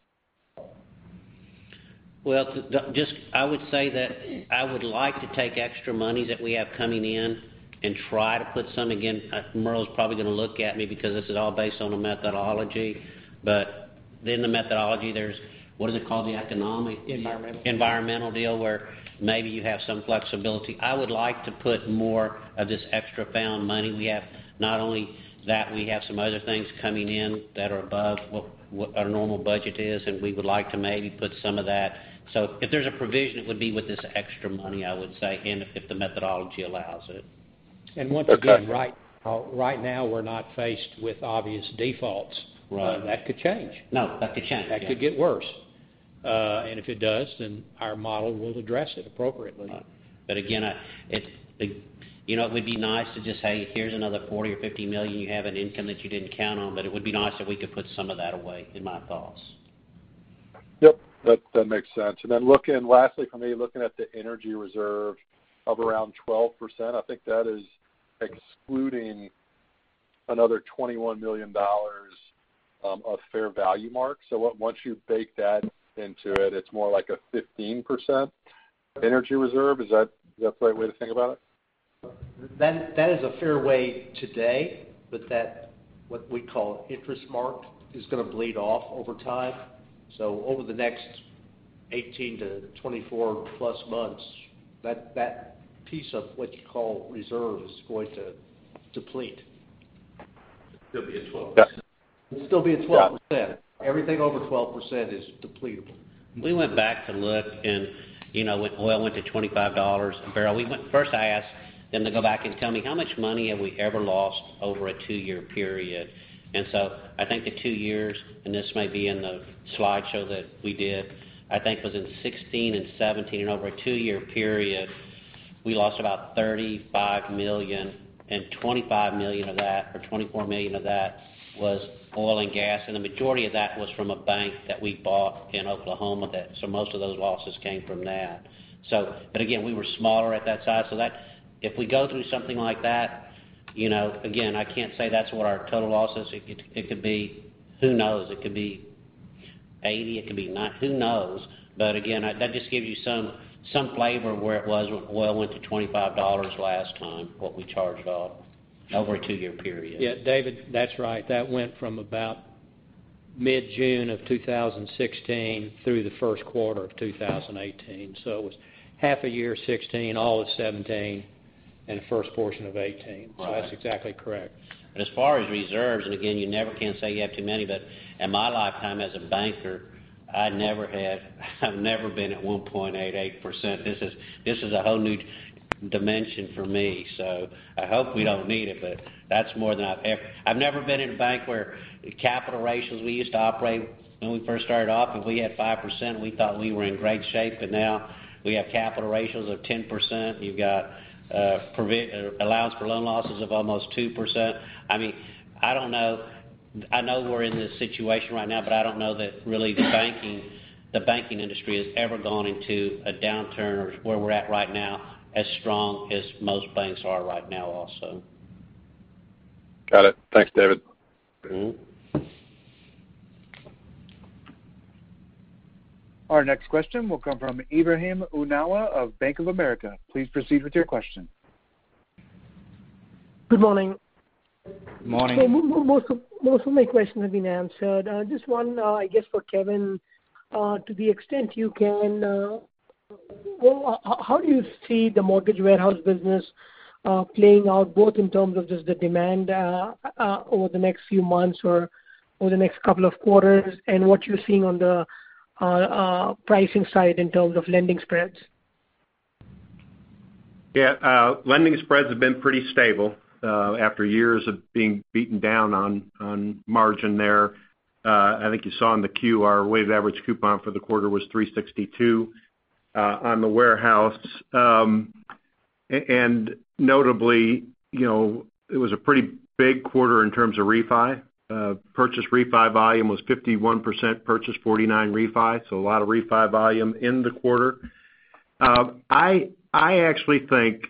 Well, just, I would say that I would like to take extra money that we have coming in and try to put some. Again, Merle is probably going to look at me because this is all based on a methodology. In the methodology, there's What is it called? Environmental Environmental deal where maybe you have some flexibility. I would like to put more of this extra found money we have, not only that, we have some other things coming in that are above what our normal budget is, and we would like to maybe put some of that. If there's a provision, it would be with this extra money, I would say, and if the methodology allows it. Once again, right now we're not faced with obvious defaults. Right. That could change. No, that could change. Yeah. That could get worse. If it does, our model will address it appropriately. Again, it would be nice to just, hey, here's another $40 or $50 million you have in income that you didn't count on. It would be nice if we could put some of that away, in my thoughts. Yep. That makes sense. Lastly from me, looking at the energy reserve of around 12%, I think that is excluding another $21 million of fair value mark. Once you bake that into it's more like a 15% energy reserve. Is that the right way to think about it? That is a fair way today, what we call interest mark, is going to bleed off over time. Over the next 18 to 24 plus months, that piece of what you call reserve is going to deplete. It'll still be at 12%. It'll still be at 12%. Everything over 12% is depletable. We went back to look. When oil went to $25 a bbl, first I asked them to go back and tell me how much money have we ever lost over a two-year period. I think the two years, and this might be in the slideshow that we did, I think it was in 2016 and 2017. Over a two-year period, we lost about $35 million. $25 million of that, or $24 million of that was oil and gas, and the majority of that was from a bank that we bought in Oklahoma. Most of those losses came from that. Again, we were smaller at that time, so if we go through something like that, again, I can't say that's what our total loss is. It could be, who knows? It could be 80, it could be 90, who knows? Again, that just gives you some flavor of where it was when oil went to $25 last time, what we charged off over a two-year period. Yeah, David, that's right. That went from about mid-June of 2016 through the first quarter of 2018. It was half a year of 2016, all of 2017, and the first portion of 2018. Right. That's exactly correct. As far as reserves, and again, you never can say you have too many, but in my lifetime as a banker, I've never been at 1.88%. This is a whole new dimension for me, so I hope we don't need it, but that's more than I've never been in a bank where capital ratios, we used to operate, when we first started off, if we had 5%, we thought we were in great shape, but now we got capital ratios of 10%. You've got allowance for credit losses of almost 2%. I know we're in this situation right now, but I don't know that really the banking industry has ever gone into a downturn or where we're at right now as strong as most banks are right now also. Got it. Thanks, David. Our next question will come from Ebrahim Poonawala of Bank of America. Please proceed with your question. Good morning. Morning. Most of my questions have been answered. Just one, I guess, for Kevin. To the extent you can, how do you see the mortgage warehouse business playing out, both in terms of just the demand over the next few months or over the next couple of quarters, and what you're seeing on the pricing side in terms of lending spreads? Yeah. Lending spreads have been pretty stable, after years of being beaten down on margin there. I think you saw in the Q, our weighted average coupon for the quarter was 362 on the Warehouse. Notably, it was a pretty big quarter in terms of refi. Purchase refi volume was 51%, purchase 49% refi. A lot of refi volume in the quarter. I actually think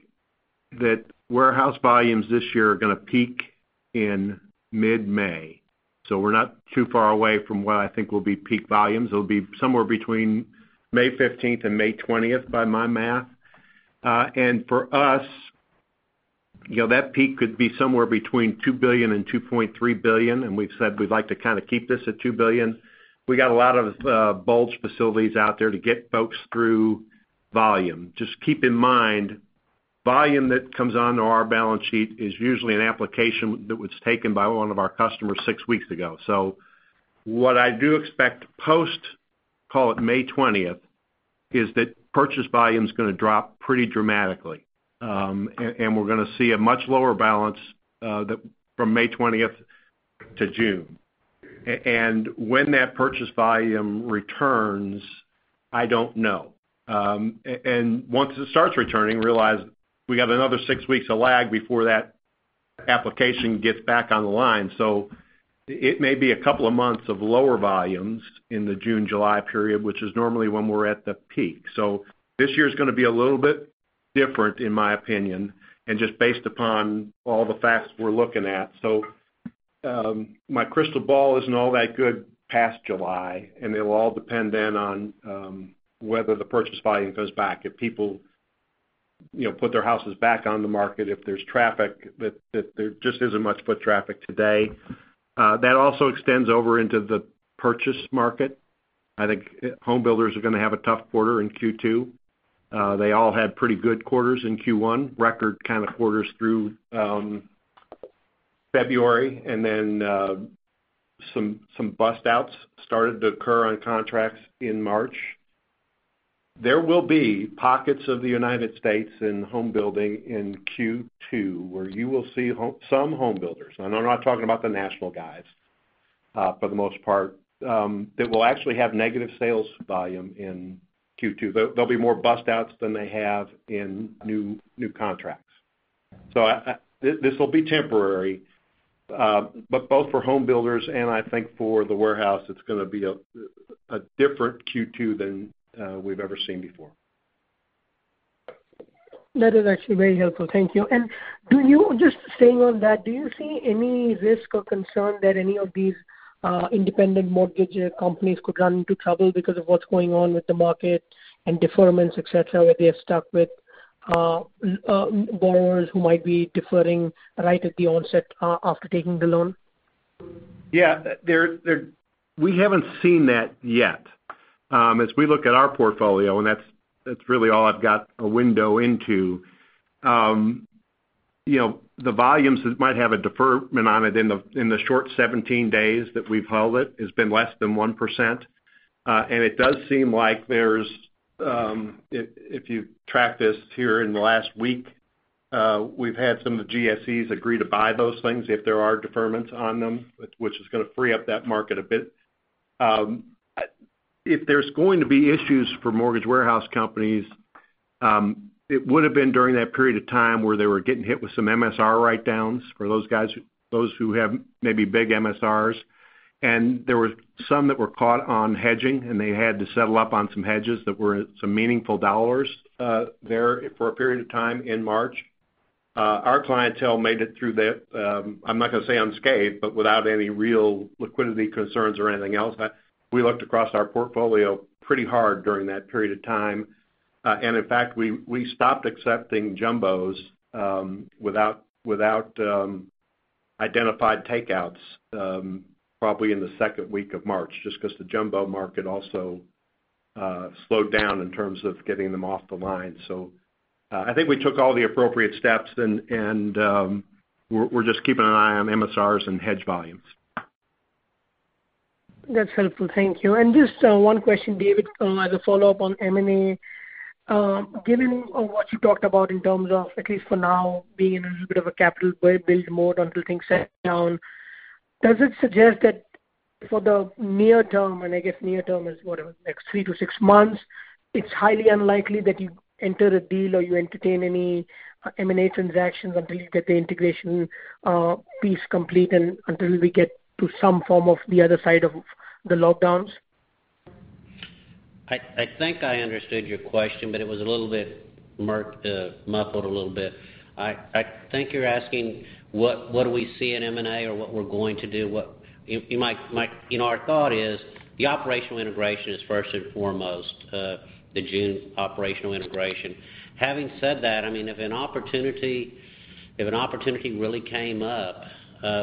that Warehouse volumes this year are going to peak in mid-May. We're not too far away from what I think will be peak volumes. It'll be somewhere between May 15th and May 20th, by my math. For us, that peak could be somewhere between $2 billion-$2.3 billion, and we've said we'd like to kind of keep this at $2 billion. We got a lot of bulge facilities out there to get folks through volume. Just keep in mind, volume that comes onto our balance sheet is usually an application that was taken by one of our customers six weeks ago. What I do expect post, call it May 20th, is that purchase volume's going to drop pretty dramatically. We're going to see a much lower balance from May 20th to June. When that purchase volume returns, I don't know. Once it starts returning, realize we have another six weeks of lag before that application gets back on the line. It may be a couple of months of lower volumes in the June, July period, which is normally when we're at the peak. This year's going to be a little bit different, in my opinion, and just based upon all the facts we're looking at. My crystal ball isn't all that good past July, and it will all depend then on whether the purchase volume goes back. If people put their houses back on the market, if there's traffic, that there just isn't much foot traffic today. That also extends over into the purchase market. I think home builders are going to have a tough quarter in Q2. They all had pretty good quarters in Q1, record kind of quarters through February, and then some bust-outs started to occur on contracts in March. There will be pockets of the United States in home building in Q2, where you will see some home builders, and I'm not talking about the national guys, for the most part, that will actually have negative sales volume in Q2. There'll be more bust-outs than they have in new contracts. This will be temporary. Both for home builders and I think for the warehouse, it's going to be a different Q2 than we've ever seen before. That is actually very helpful. Thank you. Just staying on that, do you see any risk or concern that any of these independent mortgage companies could run into trouble because of what's going on with the market and deferments, et cetera, where they are stuck with borrowers who might be deferring right at the onset, after taking the loan? Yeah. We haven't seen that yet. As we look at our portfolio, and that's really all I've got a window into, the volumes that might have a deferment on it in the short 17 days that we've held it has been less than 1%. It does seem like there's, if you track this here in the last week, we've had some of the GSEs agree to buy those things if there are deferments on them, which is going to free up that market a bit. If there's going to be issues for mortgage warehouse companies, it would've been during that period of time where they were getting hit with some MSR write-downs, for those guys, those who have maybe big MSRs. There were some that were caught on hedging, and they had to settle up on some hedges that were some meaningful dollars there for a period of time in March. Our clientele made it through the, I'm not going to say unscathed, but without any real liquidity concerns or anything else. We looked across our portfolio pretty hard during that period of time. In fact, we stopped accepting jumbos, without identified takeouts, probably in the second week of March, just because the jumbo market also slowed down in terms of getting them off the line. I think we took all the appropriate steps and we're just keeping an eye on MSRs and hedge volumes. That's helpful. Thank you. Just one question, David, as a follow-up on M&A. Given what you talked about in terms of, at least for now, being in a little bit of a capital build mode until things settle down, does it suggest that for the near term, and I guess near term is whatever, the next three to six months, it's highly unlikely that you enter a deal or you entertain any M&A transactions until you get the integration piece complete and until we get to some form of the other side of the lockdowns? I think I understood your question, but it was a little bit muffled a little bit. I think you're asking what do we see in M&A or what we're going to do. Our thought is the operational integration is first and foremost, the June operational integration. Having said that, if an opportunity really came up,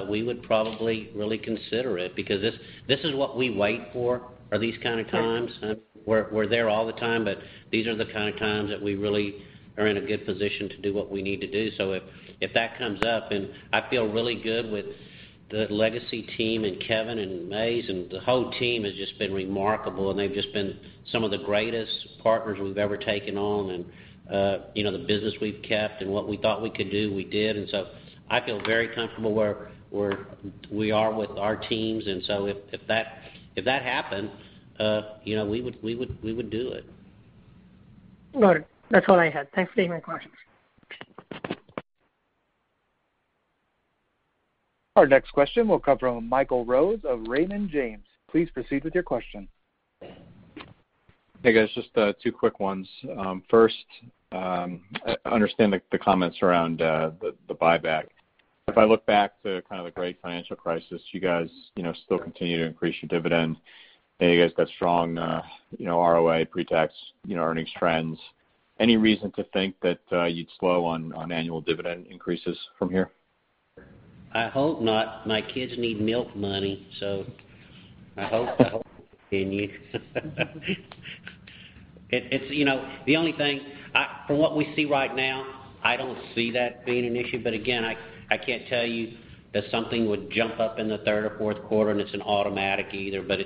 we would probably really consider it because this is what we wait for, are these kind of times. We're there all the time, but these are the kind of times that we really are in a good position to do what we need to do. If that comes up, and I feel really good with the Legacy team and Kevin and Mays and the whole team has just been remarkable, and they've just been some of the greatest partners we've ever taken on, and the business we've kept, and what we thought we could do, we did. I feel very comfortable where we are with our teams. If that happens, we would do it. Got it. That's all I had. Thanks for taking my questions. Our next question will come from Michael Rose of Raymond James. Please proceed with your question. Hey, guys. Just two quick ones. First, I understand the comments around the buyback. If I look back to kind of the Great Financial Crisis, you guys still continued to increase your dividend, and you guys got strong ROI, pre-tax earnings trends. Any reason to think that you'd slow on annual dividend increases from here? I hope not. My kids need milk money, so I hope we continue. The only thing, from what we see right now, I don't see that being an issue. Again, I can't tell you that something would jump up in the third or fourth quarter and it's an automatic either, but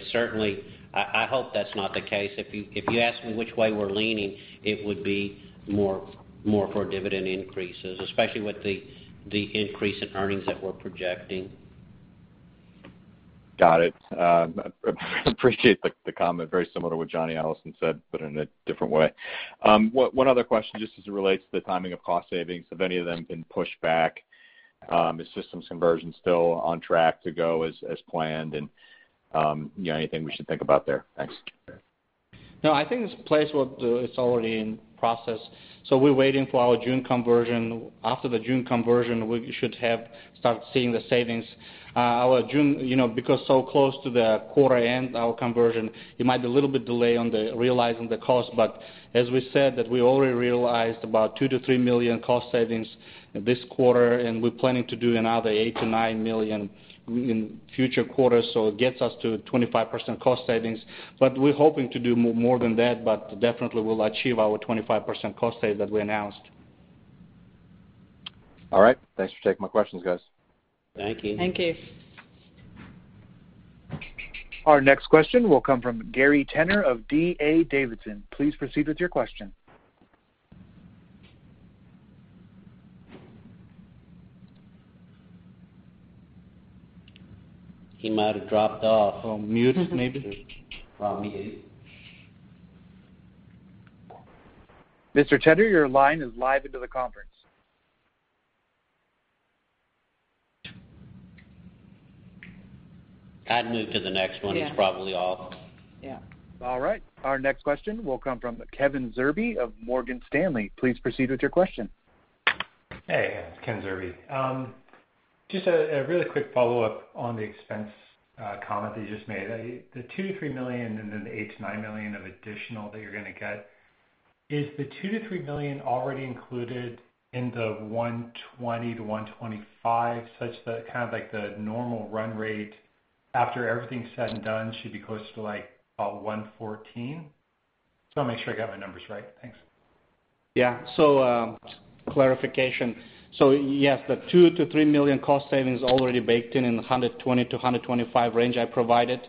I hope that's not the case. If you ask me which way we're leaning, it would be more for dividend increases, especially with the increase in earnings that we're projecting. Got it. Appreciate the comment. Very similar to what Johnny Allison said, but in a different way. One other question, just as it relates to the timing of cost savings. Have any of them been pushed back? Is systems conversion still on track to go as planned? Anything we should think about there? Thanks. No, I think it's already in process. We're waiting for our June conversion. After the June conversion, we should have start seeing the savings. Our June, because so close to the quarter end our conversion, it might a little bit delay on the realizing the cost. As we said, that we already realized about $2 million-$3 million cost savings this quarter, and we're planning to do another $8 million-$9 million in future quarters, so it gets us to 25% cost savings. We're hoping to do more than that, but definitely we'll achieve our 25% cost save that we announced. All right. Thanks for taking my questions, guys. Thank you. Thank you. Our next question will come from Gary Tenner of D. A. Davidson. Please proceed with your question. He might have dropped off. On mute, maybe. Oh, mute. Mr. Tenner, your line is live into the conference. I'd move to the next one. Yeah. He's probably off. Yeah. All right. Our next question will come from Ken Zerbe of Morgan Stanley. Please proceed with your question. Hey, it's Ken Zerbe. Just a really quick follow-up on the expense comment that you just made. The $2 million-$3 million and then the $8 million-$9 million of additional that you're going to get, is the $2 million-$3 million already included in the $120 million-$125 million, such that kind of the normal run rate after everything's said and done should be closer to about $114 million? Just want to make sure I got my numbers right. Thanks. Clarification. Yes, the $2 million-$3 million cost savings is already baked in in the $120 million-$125 million range I provided.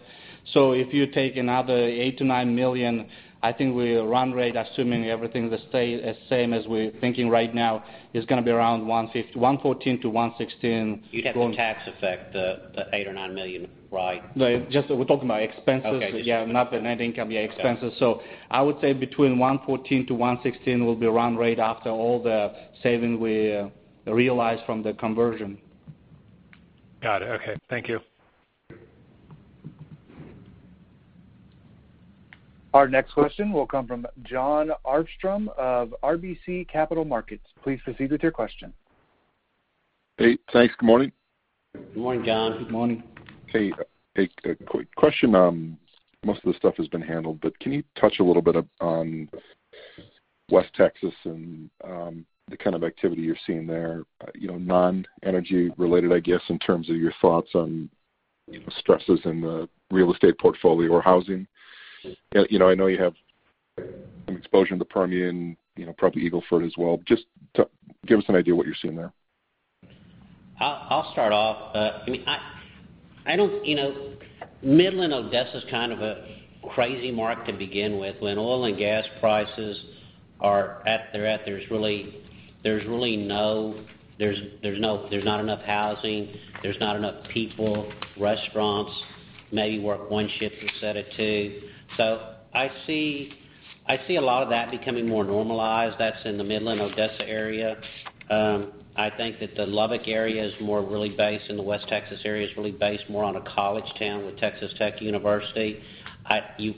If you take another $8 million-$9 million, I think we run rate, assuming everything stay the same as we're thinking right now, is going to be around $114 million-$116 million going. You'd have the tax effect, the $8 or $9 million, right? No, just we're talking about expenses. Okay. Yeah, not the net income. Yeah, expenses. I would say between $114-$116 will be run rate after all the saving we realize from the conversion. Got it. Okay. Thank you. Our next question will come from Jon Arfstrom of RBC Capital Markets. Please proceed with your question. Hey, thanks. Good morning. Good morning, Jon. Good morning. Hey. A quick question. Most of the stuff has been handled. Can you touch a little bit on West Texas and the kind of activity you're seeing there? Non-energy related, I guess, in terms of your thoughts on stresses in the real estate portfolio or housing. I know you have some exposure in the Permian, probably Eagle Ford as well. Just give us an idea of what you're seeing there. I'll start off. Midland, Odessa is kind of a crazy market to begin with. When oil and gas prices are at their ebb, there's not enough housing, there's not enough people, restaurants, maybe work one shift instead of two. I see a lot of that becoming more normalized, that's in the Midland, Odessa area. I think that the Lubbock area is more really based, and the West Texas area is really based more on a college town with Texas Tech University. We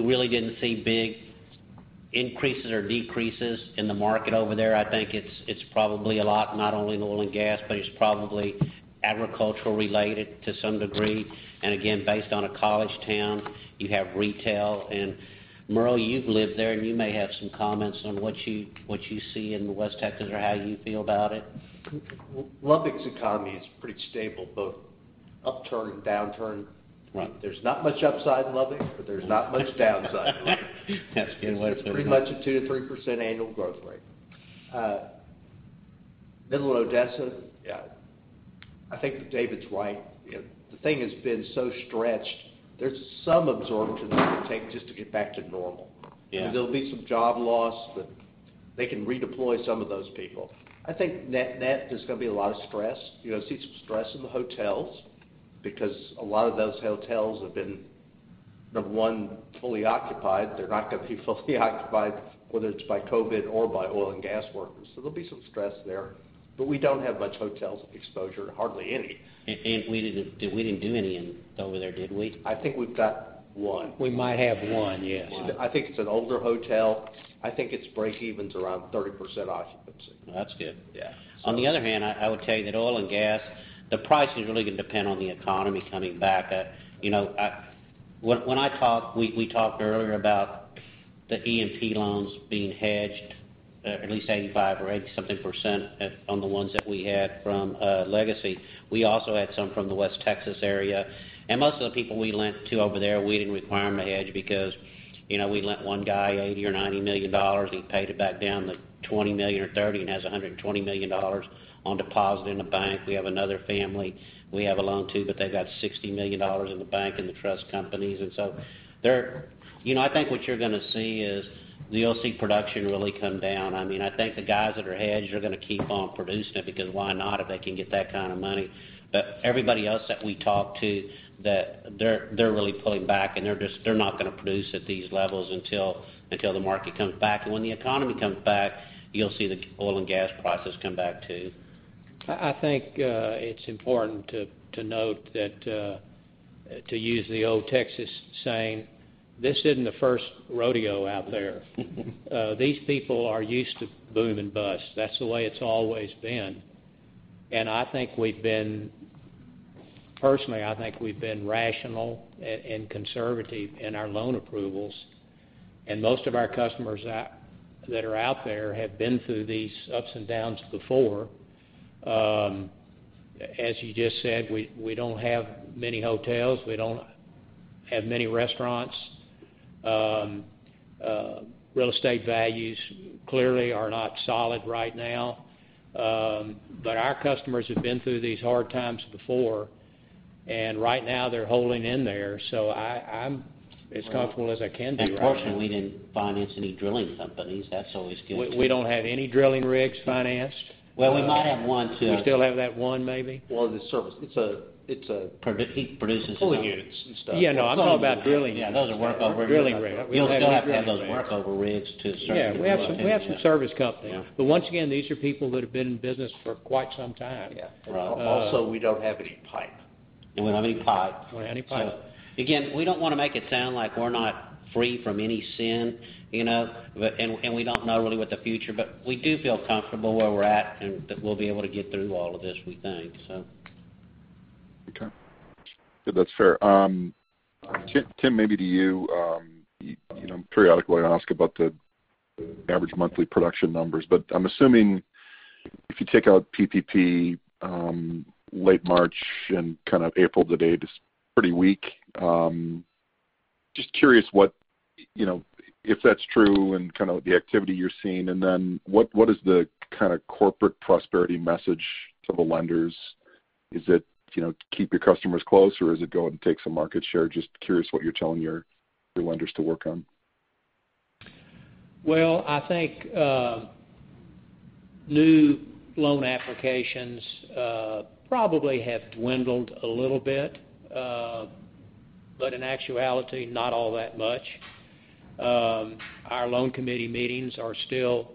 really didn't see big increases or decreases in the market over there. I think it's probably a lot, not only the oil and gas, but it's probably agricultural related to some degree. Again, based on a college town, you have retail. Merle, you've lived there, and you may have some comments on what you see in West Texas or how you feel about it. Lubbock's economy is pretty stable, both upturn and downturn. There's not much upside in Lubbock, but there's not much downside. That's been what it's been. It's pretty much a 2%-3% annual growth rate. Midland-Odessa, yeah. I think that David's right. The thing has been so stretched, there's some absorption it'll take just to get back to normal. Yeah. There'll be some job loss that they can redeploy some of those people. I think net, there's going to be a lot of stress. You're going to see some stress in the hotels, because a lot of those hotels have been, number one, fully occupied. They're not going to be fully occupied, whether it's by COVID or by oil and gas workers. There'll be some stress there, but we don't have much hotel exposure, hardly any. We didn't do any over there, did we? I think we've got one. We might have one, yeah. I think it's an older hotel. I think its breakeven's around 30% occupancy. That's good. Yeah. On the other hand, I would tell you that oil and gas, the pricing is really going to depend on the economy coming back. When we talked earlier about the E&P loans being hedged, at least 85% or 80-something percent on the ones that we had from Legacy. We also had some from the West Texas area, and most of the people we lent to over there, we didn't require them to hedge because, we lent one guy $80 million or $90 million. He paid it back down to $20 million or $30 million, and has $120 million on deposit in the bank. We have another family we have a loan to, but they've got $60 million in the bank and the trust companies. I think what you're going to see is, you'll see production really come down. I think the guys that are hedged are going to keep on producing it because why not if they can get that kind of money. Everybody else that we talk to, they're really pulling back, and they're not going to produce at these levels until the market comes back. When the economy comes back, you'll see the oil and gas prices come back too. I think it's important to note that, to use the old Texas saying, this isn't the first rodeo out there. These people are used to boom and bust. That's the way it's always been. Personally, I think we've been rational and conservative in our loan approvals. Most of our customers that are out there have been through these ups and downs before. As you just said, we don't have many hotels. We don't have many restaurants. Real estate values clearly are not solid right now. Our customers have been through these hard times before, and right now they're holding in there. I'm as comfortable as I can be right now. Fortunately, we didn't finance any drilling companies. That's always good too. We don't have any drilling rigs financed. Well, we might have one, two. We still have that one maybe. Well, the service. produces- Pulling units and stuff Yeah, no, I'm talking about drilling. Yeah, those are workover. Drilling rig. We still have to have those workover rigs to serve people. Yeah, we have some service companies. Yeah. Once again, these are people that have been in business for quite some time. Yeah. We don't have any pipe. We don't have any pipe. Don't have any pipe. Again, we don't want to make it sound like we're not free from any sin, and we don't know really what the future, but we do feel comfortable where we're at and that we'll be able to get through all of this, we think. Okay. Good. That's fair. Tim, maybe to you, periodically I ask about the average monthly production numbers, but I'm assuming if you take out PPP, late March and kind of April to date is pretty weak. Just curious if that's true and kind of the activity you're seeing, and then what is the kind of corporate Prosperity message to the lenders? Is it keep your customers close, or is it go out and take some market share? Just curious what you're telling your lenders to work on. Well, I think new loan applications probably have dwindled a little bit. In actuality, not all that much. Our loan committee meetings are still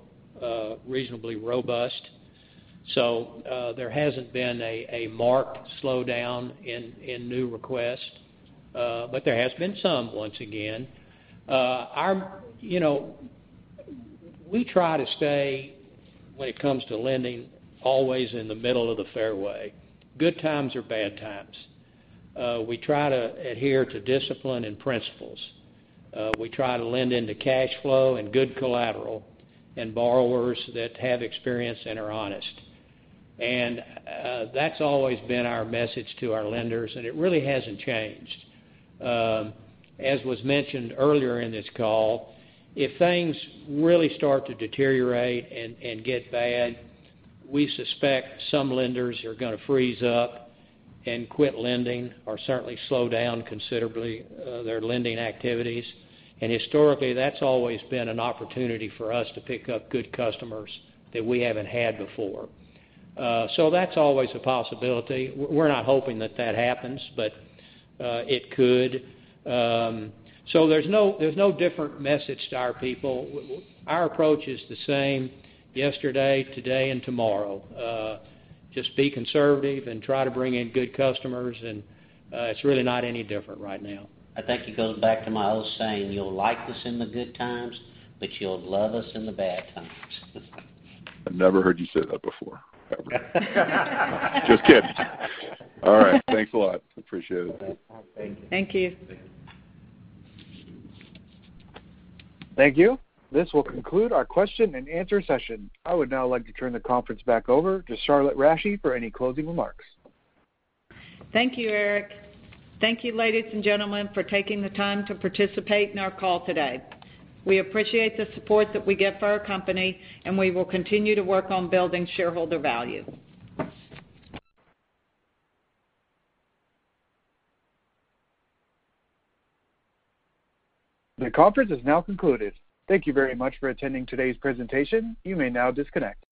reasonably robust. There hasn't been a marked slowdown in new requests. There has been some, once again. We try to stay, when it comes to lending, always in the middle of the fairway. Good times or bad times. We try to adhere to discipline and principles. We try to lend into cash flow and good collateral, and borrowers that have experience and are honest. That's always been our message to our lenders, and it really hasn't changed. As was mentioned earlier in this call, if things really start to deteriorate and get bad, we suspect some lenders are going to freeze up and quit lending or certainly slow down considerably their lending activities. Historically, that's always been an opportunity for us to pick up good customers that we haven't had before. That's always a possibility. We're not hoping that that happens, but it could. There's no different message to our people. Our approach is the same yesterday, today, and tomorrow. Just be conservative and try to bring in good customers, and it's really not any different right now. I think it goes back to my old saying, you'll like us in the good times, but you'll love us in the bad times. I've never heard you say that before, ever. Just kidding. All right. Thanks a lot. Appreciate it. Thank you. Thank you. Thank you. This will conclude our question and answer session. I would now like to turn the conference back over to Charlotte Rasche for any closing remarks. Thank you, Eric. Thank you, ladies and gentlemen, for taking the time to participate in our call today. We appreciate the support that we get for our company, we will continue to work on building shareholder value. The conference is now concluded. Thank you very much for attending today's presentation. You may now disconnect.